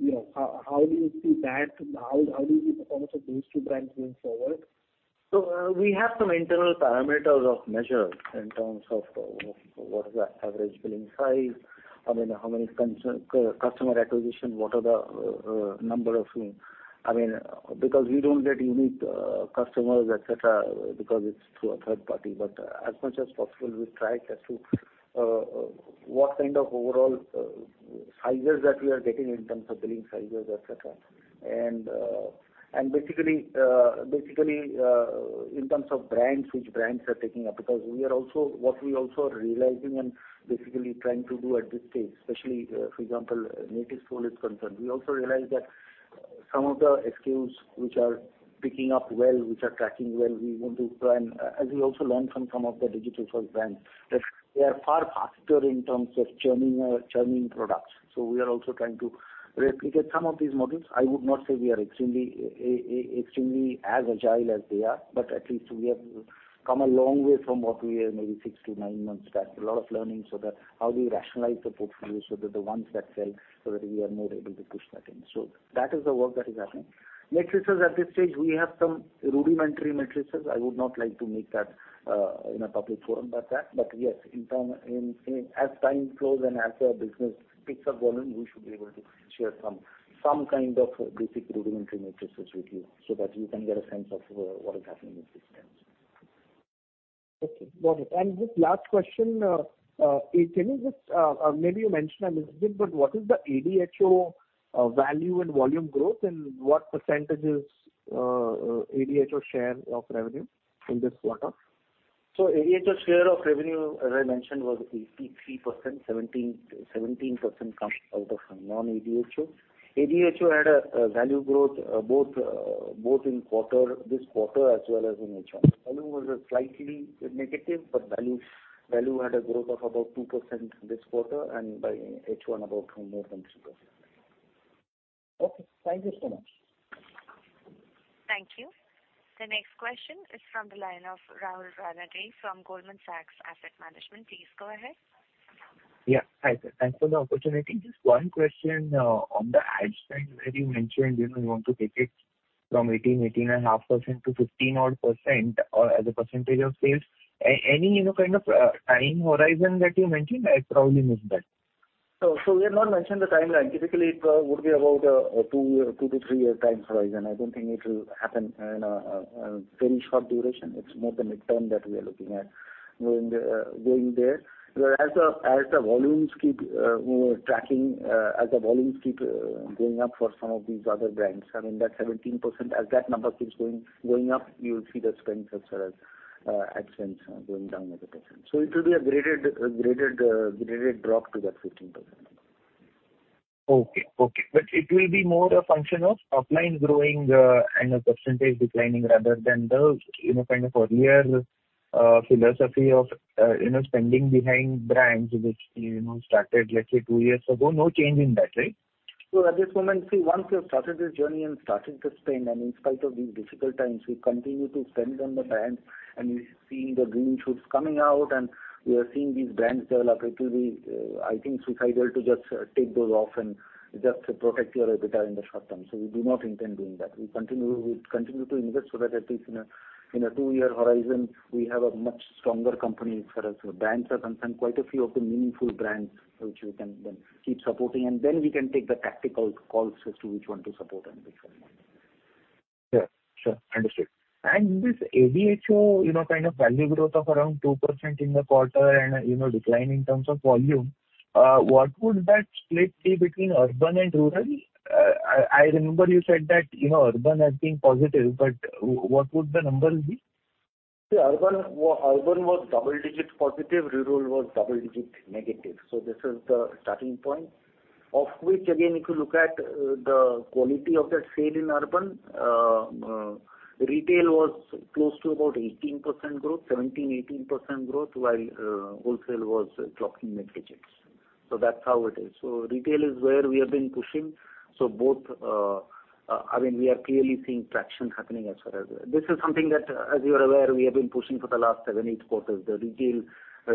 you know, how do you see that? How do you see performance of those two brands going forward? We have some internal parameters of measures in terms of what is our average billing size. I mean, how many customer acquisition. I mean, because we don't get unique customers, et cetera, because it's through a third party. As much as possible, we try as to what kind of overall sizes that we are getting in terms of billing sizes, et cetera. Basically, in terms of brands, which brands are taking up, what we also are realizing and basically trying to do at this stage, especially, for example, as far as Natyv Soul is concerned, we also realize that some of the SKUs which are picking up well, which are tracking well, we want to try and, as we also learn from some of the digital-first brands, that they are far faster in terms of churning products. We are also trying to replicate some of these models. I would not say we are extremely as agile as they are, but at least we have come a long way from what we were maybe six to nine months back. A lot of learning so that how do we rationalize the portfolio so that the ones that sell, so that we are more able to push that in. That is the work that is happening. Metrics as at this stage, we have some rudimentary metrics. I would not like to make that in a public forum like that. Yes, as time flows and as our business picks up volume, we should be able to share some kind of basic rudimentary metrics with you so that you can get a sense of what is happening with these brands. Okay, got it. Just last question, can you just, maybe you mentioned a little bit, but what is the ADHO value and volume growth and what percentage is ADHO share of revenue in this quarter? ADHO share of revenue, as I mentioned, was 83%, 17% coming out of non-ADHO. ADHO had a value growth both in this quarter as well as in H1. Volume was slightly negative, but value had a growth of about 2% this quarter and in H1 about more than 3%. Okay. Thank you so much. Thank you. The next question is from the line of Rahul Ranade from Goldman Sachs Asset Management. Please go ahead. Yeah. Hi, sir. Thanks for the opportunity. Just one question on the ad spend where you mentioned, you know, you want to take it from 18.5% to 15 odd percent or as a percentage of sales. Any, you know, kind of time horizon that you mentioned? I probably missed that. We have not mentioned the timeline. Typically, it would be about a two- to three-year time horizon. I don't think it will happen in a very short duration. It's more the midterm that we are looking at going there. Whereas as the volumes keep you know tracking as the volumes keep going up for some of these other brands, I mean that 17%, as that number keeps going up, you'll see the spends as well as ad spends going down as a percent. It will be a gradual drop to that 15%. Okay. It will be more a function of offline growing, and a percentage declining rather than the, you know, kind of earlier, philosophy of, you know, spending behind brands which, you know, started, let's say two years ago. No change in that, right? At this moment, see, once you've started this journey and started to spend and in spite of these difficult times we continue to spend on the brand and we've seen the green shoots coming out and we are seeing these brands develop, it will be, I think, suicidal to just take those off and just protect your EBITDA in the short term. We do not intend doing that. We continue to invest so that at least in a two-year horizon, we have a much stronger company as far as brands are concerned, quite a few of the meaningful brands which we can then keep supporting, and then we can take the tactical calls as to which one to support and which one not. Sure. Understood. This ADHO, you know, kind of value growth of around 2% in the quarter and, you know, decline in terms of volume, what would that split be between urban and rural? I remember you said that, you know, urban has been positive, but what would the numbers be? The urban was double-digit positive, rural was double-digit negative. This is the starting point, of which again, if you look at the quality of that sale in urban, retail was close to about 18% growth, 17%-18% growth, while wholesale was clocking mid-digits. That's how it is. Retail is where we have been pushing. Both, I mean, we are clearly seeing traction happening as far as this is something that, as you are aware, we have been pushing for the last seven, eight quarters. The retail,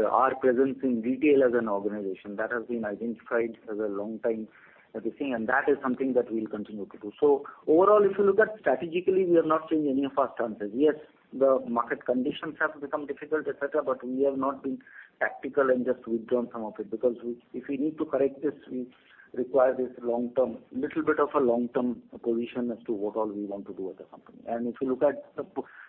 our presence in retail as an organization, that has been identified for a long time as a thing, and that is something that we'll continue to do. Overall, if you look at strategically, we are not seeing any of our challenges. Yes, the market conditions have become difficult, et cetera, but we have not been tactical and just withdrawn some of it because we, if we need to correct this, we require this long-term, little bit of a long-term position as to what all we want to do with the company. If you look at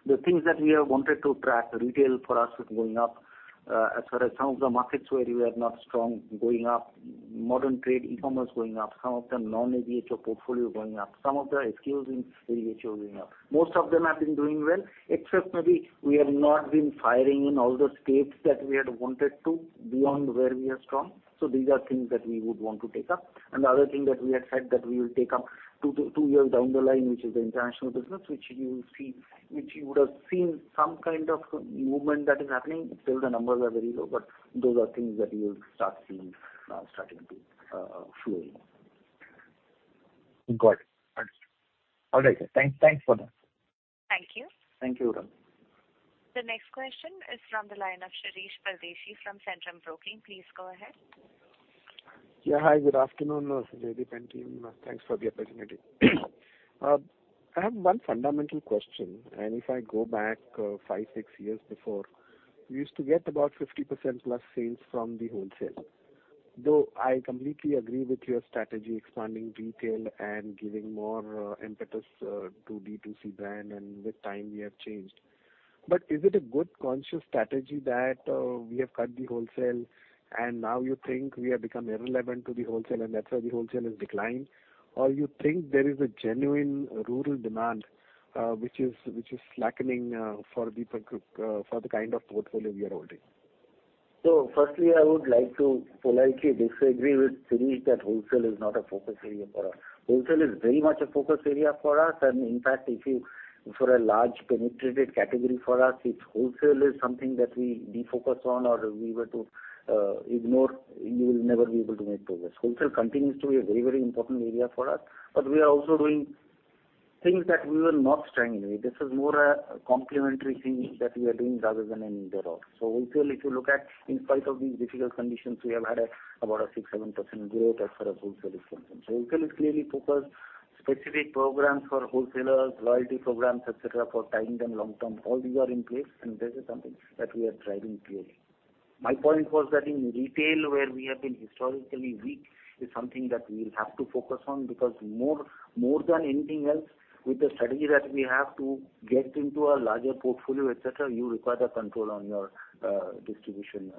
the things that we have wanted to track, retail for us is going up. As far as some of the markets where we are not strong going up, modern trade, e-commerce going up, some of the non-ADHO portfolio going up, some of the SKUs in ADHO going up. Most of them have been doing well, except maybe we have not been firing in all the states that we had wanted to beyond where we are strong. These are things that we would want to take up. The other thing that we had said that we will take up two years down the line, which is the international business, which you'll see, which you would have seen some kind of movement that is happening. Still the numbers are very low, but those are things that you'll start seeing, starting to flow. Got it. Understood. All right, sir. Thanks for that. Thank you. Thank you, Rahul. The next question is from the line of Shirish Pardeshi from Centrum Broking. Please go ahead. Yeah. Hi, good afternoon, Jaideep and team. Thanks for the opportunity. I have one fundamental question, and if I go back five, six years before, we used to get about 50%+ sales from the wholesale. Though I completely agree with your strategy expanding retail and giving more impetus to D2C brand and with time we have changed. Is it a good conscious strategy that we have cut the wholesale and now you think we have become irrelevant to the wholesale and that's why the wholesale has declined? Or you think there is a genuine rural demand which is slackening for the kind of portfolio we are holding? Firstly, I would like to politely disagree with Shirish that wholesale is not a focus area for us. Wholesale is very much a focus area for us and in fact if you're a largely penetrated category for us, if wholesale is something that we defocus on or we were to ignore, you will never be able to make progress. Wholesale continues to be a very, very important area for us, but we are also doing things that we were not strong in. This is more a complementary thing that we are doing rather than an add on. Wholesale if you look at, in spite of these difficult conditions, we have had about a 6%-7% growth as far as wholesale is concerned. Wholesale is clearly focused, specific programs for wholesalers, loyalty programs, et cetera, for short- and long-term, all these are in place, and this is something that we are driving clearly. My point was that in retail where we have been historically weak is something that we'll have to focus on because more than anything else with the strategy that we have to get into a larger portfolio, et cetera, you require the control on your distribution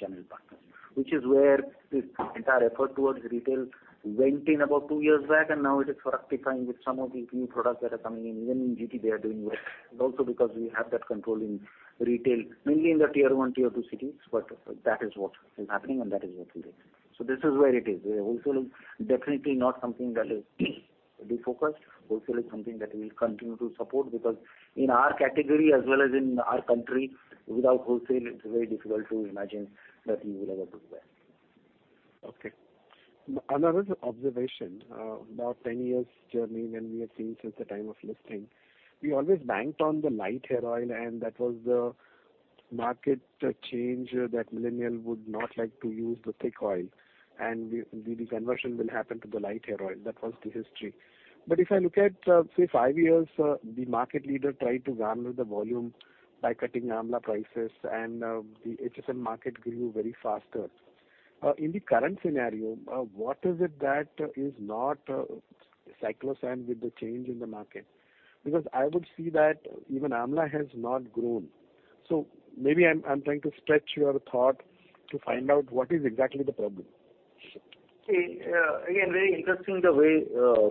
channel partners, which is where this entire effort towards retail went in about two years back, and now it is rectifying with some of these new products that are coming in. Even in GT, they are doing well. Also because we have that control in retail, mainly in the tier one, tier two cities, but that is what is happening and that is working there. This is where it is. Wholesale is definitely not something that is defocused. Wholesale is something that we'll continue to support because in our category as well as in our country, without wholesale it's very difficult to imagine that we will ever do well. Okay. Another observation. About 10 years journey when we have seen since the time of listing, we always banked on the light hair oil, and that was the market change that millennial would not like to use the thick oil. The conversion will happen to the light hair oil. That was the history. If I look at, say, five years, the market leader tried to garner the volume by cutting Amla prices, and the HSM market grew very faster. In the current scenario, what is it that is not in sync with the change in the market? Because I would see that even Amla has not grown. Maybe I'm trying to stretch your thought to find out what is exactly the problem. See, again, very interesting the way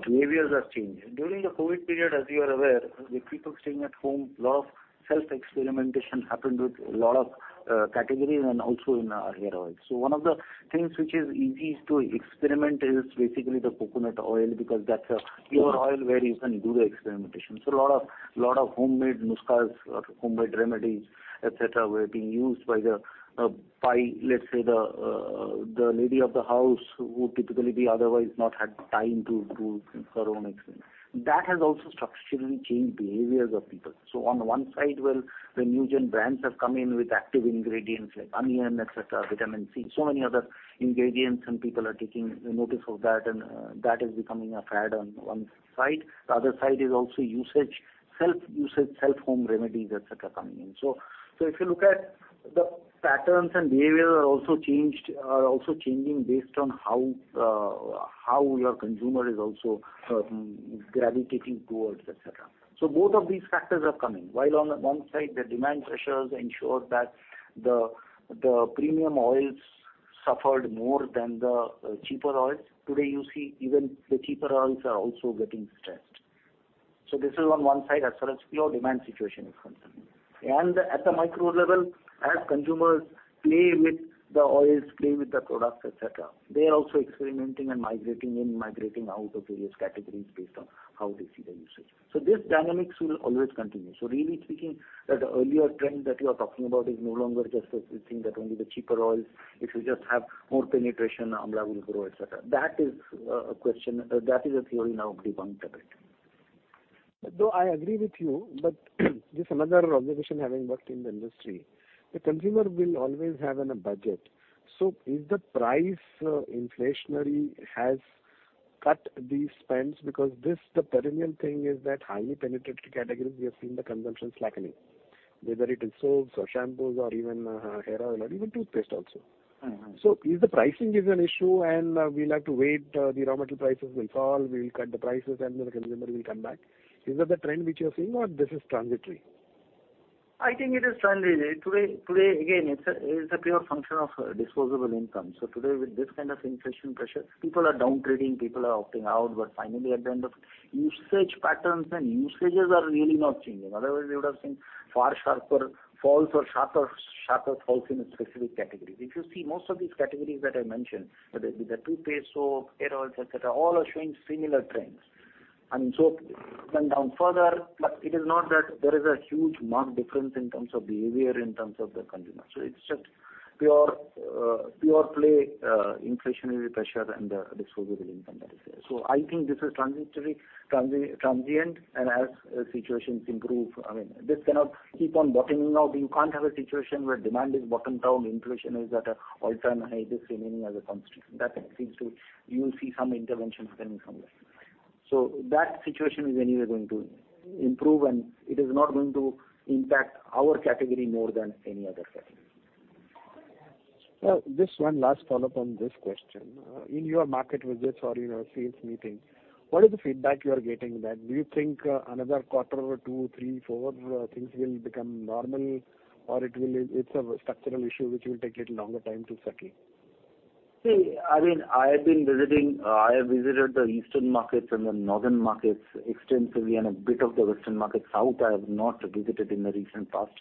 behaviors are changing. During the COVID period, as you are aware, with people staying at home, lot of self-experimentation happened with a lot of categories and also in our hair oil. One of the things which is easy to experiment is basically the coconut oil, because that's a pure oil where you can do the experimentation. A lot of homemade nuskhas or homemade remedies, et cetera, were being used by the, by, let's say, the lady of the house who typically otherwise not had time to do her own experiment. That has also structurally changed behaviors of people. On the one side, well, the new-gen brands have come in with active ingredients like onion, et cetera, vitamin C, so many other ingredients, and people are taking notice of that, and that is becoming a fad on one side. The other side is also usage, self-usage, self-home remedies, et cetera, coming in. If you look at the patterns and behavior are also changing based on how your consumer is also gravitating towards, et cetera. Both of these factors are coming. While on the one side, the demand pressures ensure that the premium oils suffered more than the cheaper oils. Today, you see even the cheaper oils are also getting stressed. This is on one side as far as pure demand situation is concerned. At the micro level, as consumers play with the oils, play with the products, et cetera, they are also experimenting and migrating in, migrating out of various categories based on how they see the usage. These dynamics will always continue. Really speaking, that earlier trend that you are talking about is no longer just a thing that only the cheaper oils, if you just have more penetration, Amla will grow, et cetera. That is a theory now debunked a bit. Though I agree with you, but just another observation having worked in the industry. The consumer will always have a budget. If the price inflationary has cut these spends, because this, the perennial thing is that highly penetrated categories, we have seen the consumption slackening, whether it is soaps or shampoos or even hair oil or even toothpaste also. Mm-hmm. If the pricing is an issue and we'll have to wait, the raw material prices will fall, we will cut the prices and the consumer will come back. Is that the trend which you are seeing or this is transitory? I think it is transitory. Today, again, it is a pure function of disposable income. Today with this kind of inflation pressure, people are down-trading, people are opting out. Usage patterns and usages are really not changing. Otherwise, we would have seen far sharper falls or sharper falls in specific categories. If you see most of these categories that I mentioned, whether it be the toothpaste, soap, hair oils, et cetera, all are showing similar trends. I mean, soap can come down further, but it is not that there is a huge marked difference in terms of behavior, in terms of the consumer. It's just pure play inflationary pressure and the disposable income that is there. I think this is transitory, transient and as situations improve, I mean, this cannot keep on bottoming out. You can't have a situation where demand is bottomed out, inflation is at an all-time high, this remaining as a constant. You will see some intervention happening somewhere. That situation is anyway going to improve, and it is not going to impact our category more than any other category. Just one last follow-up on this question. In your market visits or in your sales meetings, what is the feedback you are getting that do you think another quarter or two, three, four, things will become normal or it's a structural issue which will take a little longer time to settle? See, I mean, I have visited the eastern markets and the northern markets extensively and a bit of the western markets. South, I have not visited in the recent past,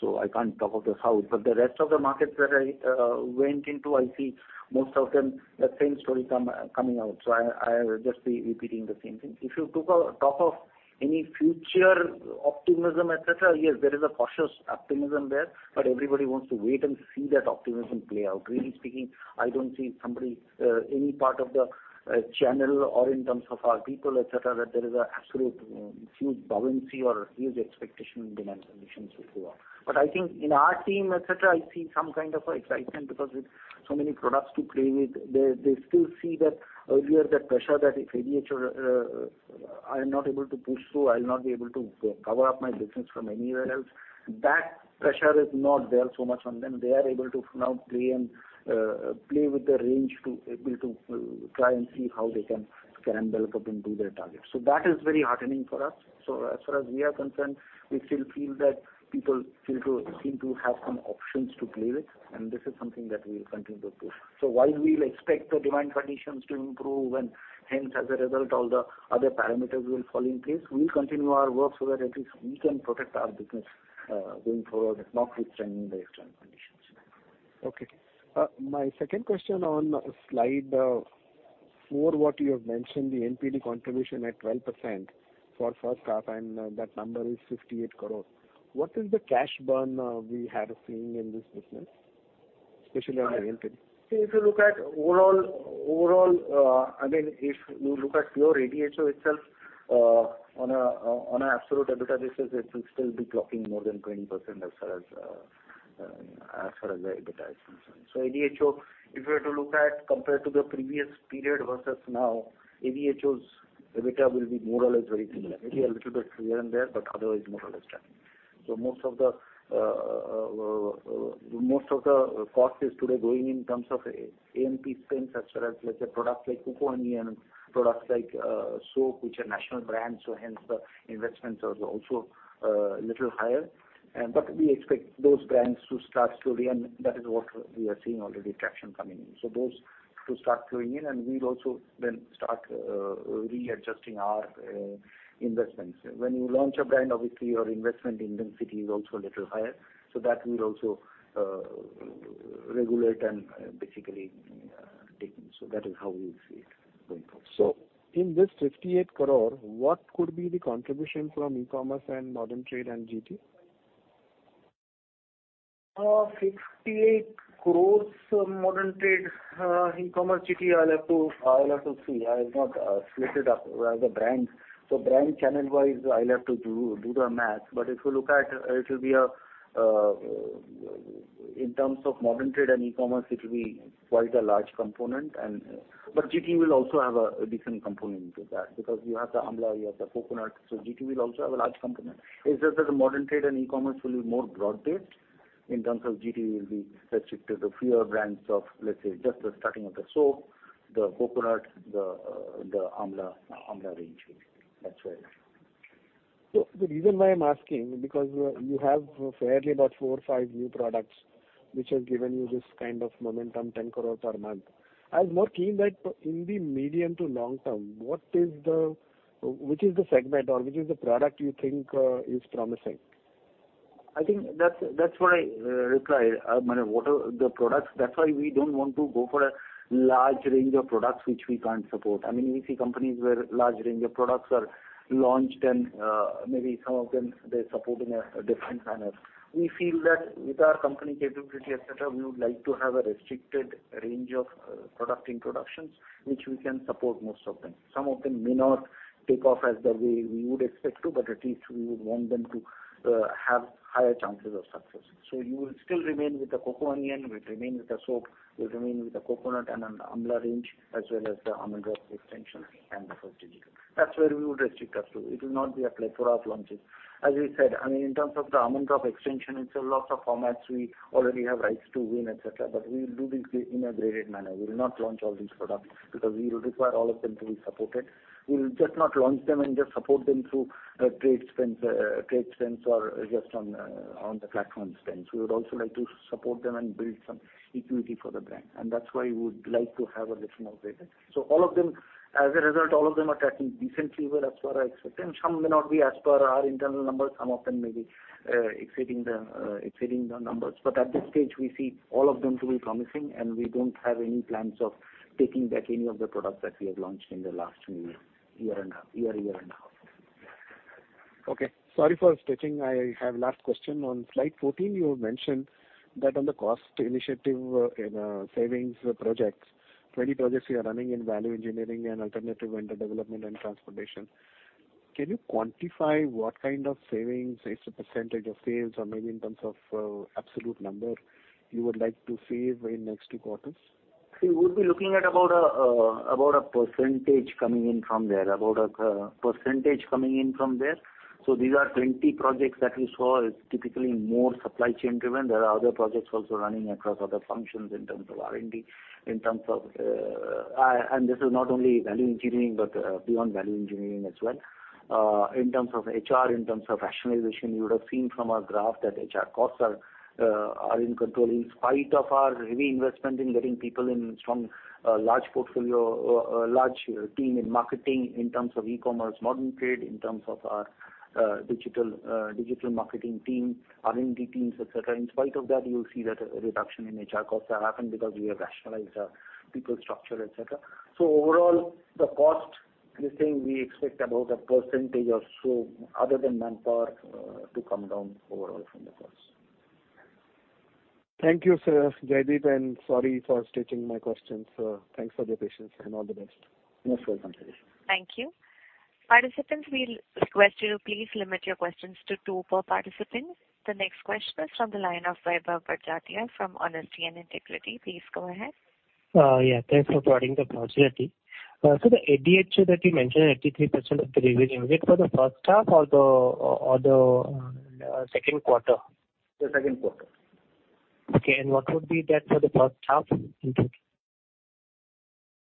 so I can't talk of the South. The rest of the markets that I went into, I see most of them the same story coming out. I'll just be repeating the same thing. If you talk of any future optimism, et cetera, yes, there is a cautious optimism there, but everybody wants to wait and see that optimism play out. Really speaking, I don't see any part of the channel or in terms of our people, et cetera, that there is an absolute huge buoyancy or huge expectation in demand conditions so far. I think in our team, et cetera, I see some kind of a excitement because with so many products to play with, they still see that earlier, that pressure that if ADHO or I am not able to push through, I'll not be able to power up my business from anywhere else. That pressure is not there so much on them. They are able to now play and play with the range to able to try and see how they can develop and do their targets. That is very heartening for us. As far as we are concerned, we still feel that people still seem to have some options to play with, and this is something that we will continue to push. While we will expect the demand conditions to improve, and hence as a result, all the other parameters will fall in place, we'll continue our work so that at least we can protect our business, going forward and notwithstanding the external conditions. Okay. My second question on slide four, what you have mentioned, the NPD contribution at 12% for first half, and that number is 58 crore. What is the cash burn we are seeing in this business, especially on the NPD? If you look at overall, I mean, if you look at pure ADHO itself, on an absolute EBITDA basis, it will still be clocking more than 20% as far as the EBITDA is concerned. ADHO, if you were to look at compared to the previous period versus now, ADHO's EBITDA will be more or less very similar. Maybe a little bit here and there, but otherwise more or less same. Most of the cost is today going in terms of A&P spends as well as, let's say, products like Coco Onion, products like soap, which are national brands, so hence the investments are also little higher. We expect those brands to start slowly, and that is what we are seeing already, traction coming in. Those to start flowing in, and we'll also then start readjusting our investments. When you launch a brand, obviously your investment intensity is also a little higher, so that will also regulate and basically take in. That is how we see it going forward. In this 58 crore, what could be the contribution from e-commerce and modern trade and GT? INR 58 crore modern trade, e-commerce GT. I'll have to see. I have not split it up as a brand. Brand channel-wise, I'll have to do the math. If you look at, it'll be in terms of modern trade and e-commerce, it'll be quite a large component. GT will also have a decent component to that because you have the Amla, you have the Coconut, so GT will also have a large component. It's just that the modern trade and e-commerce will be more broad-based in terms of GT will be restricted to fewer brands of, let's say, just the starting of the soap, the Coconut, the Amla range only. That's where. The reason why I'm asking because you have fairly about four or five new products which have given you this kind of momentum, 10 crore per month. I was more keen that in the medium to long term, which is the segment or which is the product you think is promising? I think that's what I replied. I mean, what are the products, that's why we don't want to go for a large range of products which we can't support. I mean, we see companies where large range of products are launched and maybe some of them they support in a different manner. We feel that with our company capability, et cetera, we would like to have a restricted range of product introductions which we can support most of them. Some of them may not take off as the way we would expect to, but at least we would want them to have higher chances of success. We will still remain with the Coco Onion, we'll remain with the soap, we'll remain with the Coconut and Amla range, as well as the Almond Drops extension and the first digital. That's where we would restrict us to. It will not be a plethora of launches. As we said, I mean, in terms of the Almond Drops extension, it's a lot of formats we already have rights to win, et cetera, but we will do this in a graded manner. We will not launch all these products because we will require all of them to be supported. We'll just not launch them and just support them through trade spends or just on the platform spends. We would also like to support them and build some equity for the brand, and that's why we would like to have a little more graded. All of them, as a result, all of them are tracking decently well as far as expected. Some may not be as per our internal numbers, some of them may be exceeding the numbers. At this stage we see all of them to be promising, and we don't have any plans of taking back any of the products that we have launched in the last two years, year and a half. Okay. Sorry for stretching. I have last question. On slide 14, you mentioned that on the cost initiative in savings projects, 20 projects you are running in value engineering and alternative vendor development and transportation. Can you quantify what kind of savings as a percentage of sales or maybe in terms of absolute number you would like to save in next two quarters? We would be looking at about a percentage coming in from there. These are 20 projects that we saw is typically more supply chain-driven. There are other projects also running across other functions in terms of R&D, in terms of. This is not only value engineering, but beyond value engineering as well. In terms of HR, in terms of rationalization, you would have seen from our graph that HR costs are in control. In spite of our reinvestment in getting people in from a large portfolio, a large team in marketing in terms of e-commerce, modern trade, in terms of our digital marketing team, R&D teams, et cetera. In spite of that, you'll see that a reduction in HR costs have happened because we have rationalized our people structure, et cetera. Overall, the cost, we're saying we expect about a percentage or so other than manpower, to come down overall from the costs. Thank you, sir, Jaideep, and sorry for stretching my questions. Thanks for your patience and all the best. Most welcome, Shirish. Thank you. Participants, we request you to please limit your questions to two per participant. The next question is from the line of Vaibhav Badjatya from Honesty and Integrity. Please go ahead. Yeah, thanks for providing the possibility. So the ADHO that you mentioned, 83% of the revenue, is it for the first half or the second quarter? The second quarter. Okay, what would be that for the first half in total?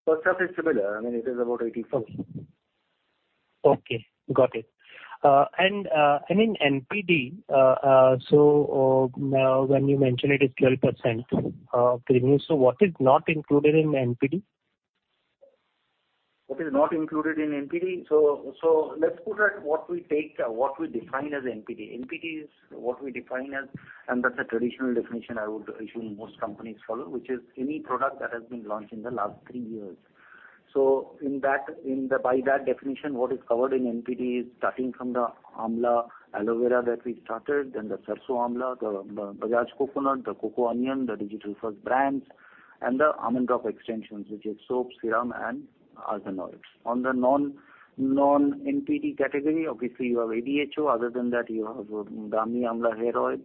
First half is similar. I mean, it is about 84%. Okay. Got it. In NPD, now when you mention it is 12% of the revenue, what is not included in NPD? What is not included in NPD? Let's put that what we take, what we define as NPD. NPD is what we define as, and that's a traditional definition I would assume most companies follow, which is any product that has been launched in the last three years. In that, by that definition, what is covered in NPD is starting from the Amla Aloevera that we started, then the Sarso Amla, the Bajaj Coconut, the Coco Onion, the digital first brands, and the Almond Drops extensions, which is soap, serum, and other oils. On the non-NPD category, obviously, you have ADHO. Other than that, you have the Amla Hair Oil.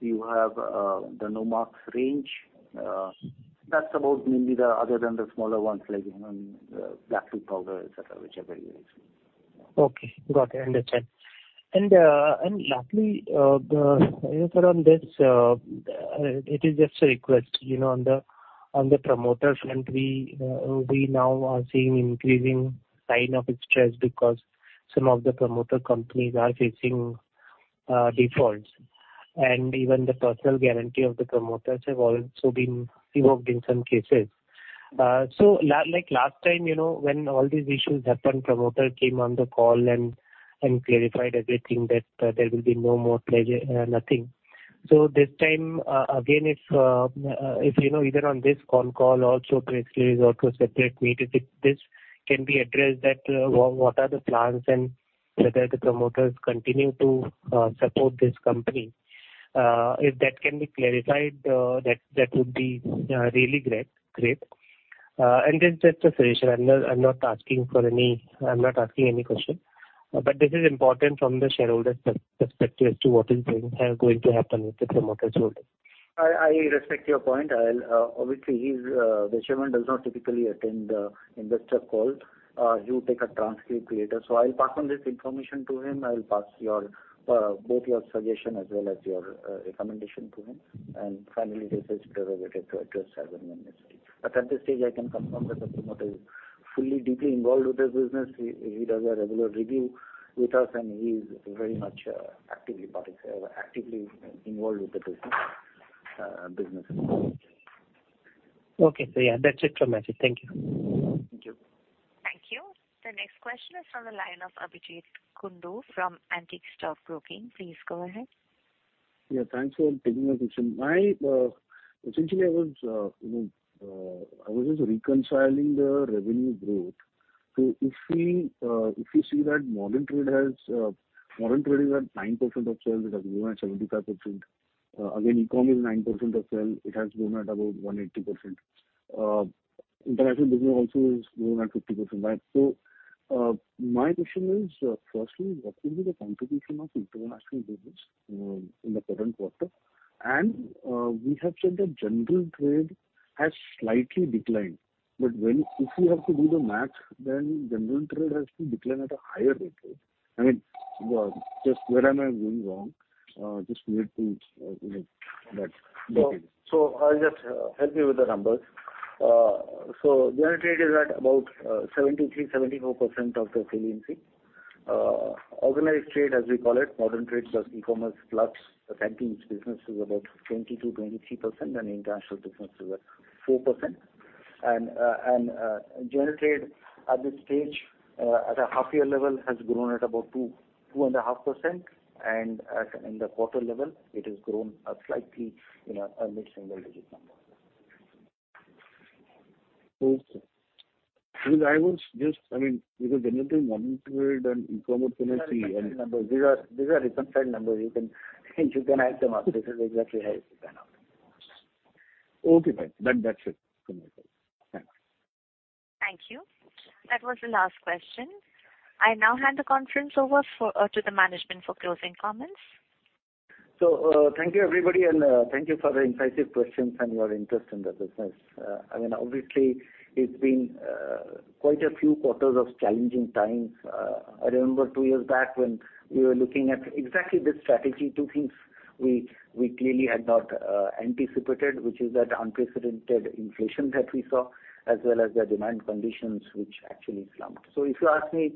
You have the Nomarks range. That's about mainly the other than the smaller ones like the black seed powder, et cetera, whichever you use. Okay. Got it. Understood. Lastly, Sir, on this, it is just a request. You know, on the promoter front, we now are seeing increasing sign of stress because some of the promoter companies are facing defaults. Even the personal guarantee of the promoters have also been revoked in some cases. Like last time, you know, when all these issues happened, promoter came on the call and clarified everything that there will be no more pledge, nothing. This time, again, if you know, either on this con call also previously or through a separate meeting, if this can be addressed that what are the plans and whether the promoters continue to support this company. If that can be clarified, that would be really great. Just a suggestion. I'm not asking any question. This is important from the shareholder's perspective as to what is going to happen with the promoters' role. I respect your point. The Chairman does not typically attend investor calls. He would take a transcript later. I'll pass on this information to him. I'll pass both your suggestion as well as your recommendation to him. Finally, this is delegated to address as and when necessary. At this stage, I can confirm that the promoter is fully, deeply involved with this business. He does a regular review with us, and he is very much actively participating, actively involved with the business. Okay. Yeah, that's it from my side. Thank you. Thank you. Thank you. The next question is from the line of Abhijeet Kundu from Antique Stock Broking. Please go ahead. Yeah, thanks for taking my question. Essentially I was, you know, just reconciling the revenue growth. If we if you see that modern trade is at 9% of sales. It has grown at 75%. Again, e-com is 9% of sales. It has grown at about 180%. International business also has grown at 50%. My question is, firstly, what will be the contribution of international business in the current quarter? We have said that general trade has slightly declined. But if you have to do the math, then general trade has to decline at a higher rate, right? I mean, just where am I going wrong? Just wanted to, you know, that detail. I'll just help you with the numbers. General trade is at about 73%-74% of the saliency. Organized trade, as we call it, modern trade plus e-commerce plus the canteen's business is about 22%-23%, and international business is at 4%. General trade at this stage, at a half year level has grown at about 2%-2.5%. In the quarter level, it has grown slightly a mid-single digit number. Okay. I mean, because general trade, modern trade, and e-commerce. These are reconciled numbers. You can add them up. This is exactly how you can add them. Okay, fine. That's it from my side. Thanks. Thank you. That was the last question. I now hand the conference over for, to the management for closing comments. Thank you everybody, and, thank you for the incisive questions and your interest in the business. I mean, obviously, it's been, quite a few quarters of challenging times. I remember two years back when we were looking at exactly this strategy, two things we clearly had not, anticipated, which is that unprecedented inflation that we saw, as well as the demand conditions which actually slumped. If you ask me,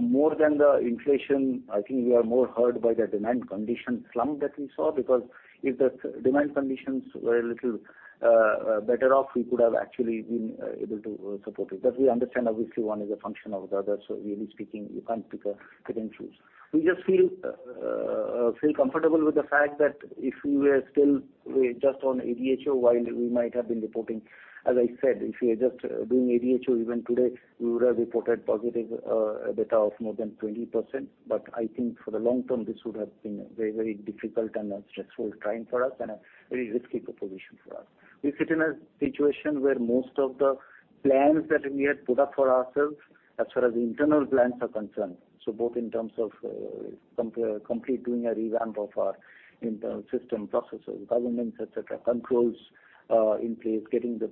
more than the inflation, I think we are more hurt by the demand condition slump that we saw. Because if the demand conditions were a little, better off, we could have actually been, able to support it. We understand obviously one is a function of the other, so really speaking, you can't pick and choose. We just feel comfortable with the fact that if we were still just on ADHO, while we might have been reporting, as I said, if we are just doing ADHO even today, we would have reported positive data of more than 20%. I think for the long term, this would have been a very, very difficult and a stressful time for us and a very risky proposition for us. We sit in a situation where most of the plans that we had put up for ourselves as far as internal plans are concerned, so both in terms of completely doing a revamp of our internal system, processes, governance, et cetera, controls in place, getting the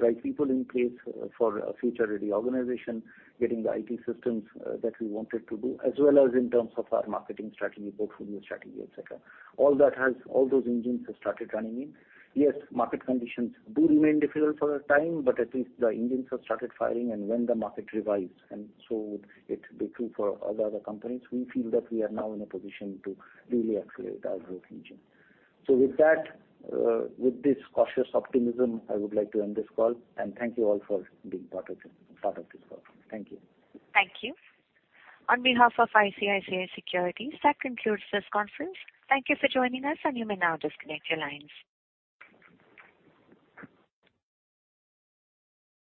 right people in place for a future-ready organization, getting the IT systems that we wanted to do, as well as in terms of our marketing strategy, portfolio strategy, et cetera. All those engines have started running in. Yes, market conditions do remain difficult for a time, but at least the engines have started firing and when the market revives. It would be true for all the other companies. We feel that we are now in a position to really accelerate our growth engine. With that, with this cautious optimism, I would like to end this call and thank you all for being part of this call. Thank you. Thank you. On behalf of ICICI Securities, that concludes this conference. Thank you for joining us, and you may now disconnect your lines.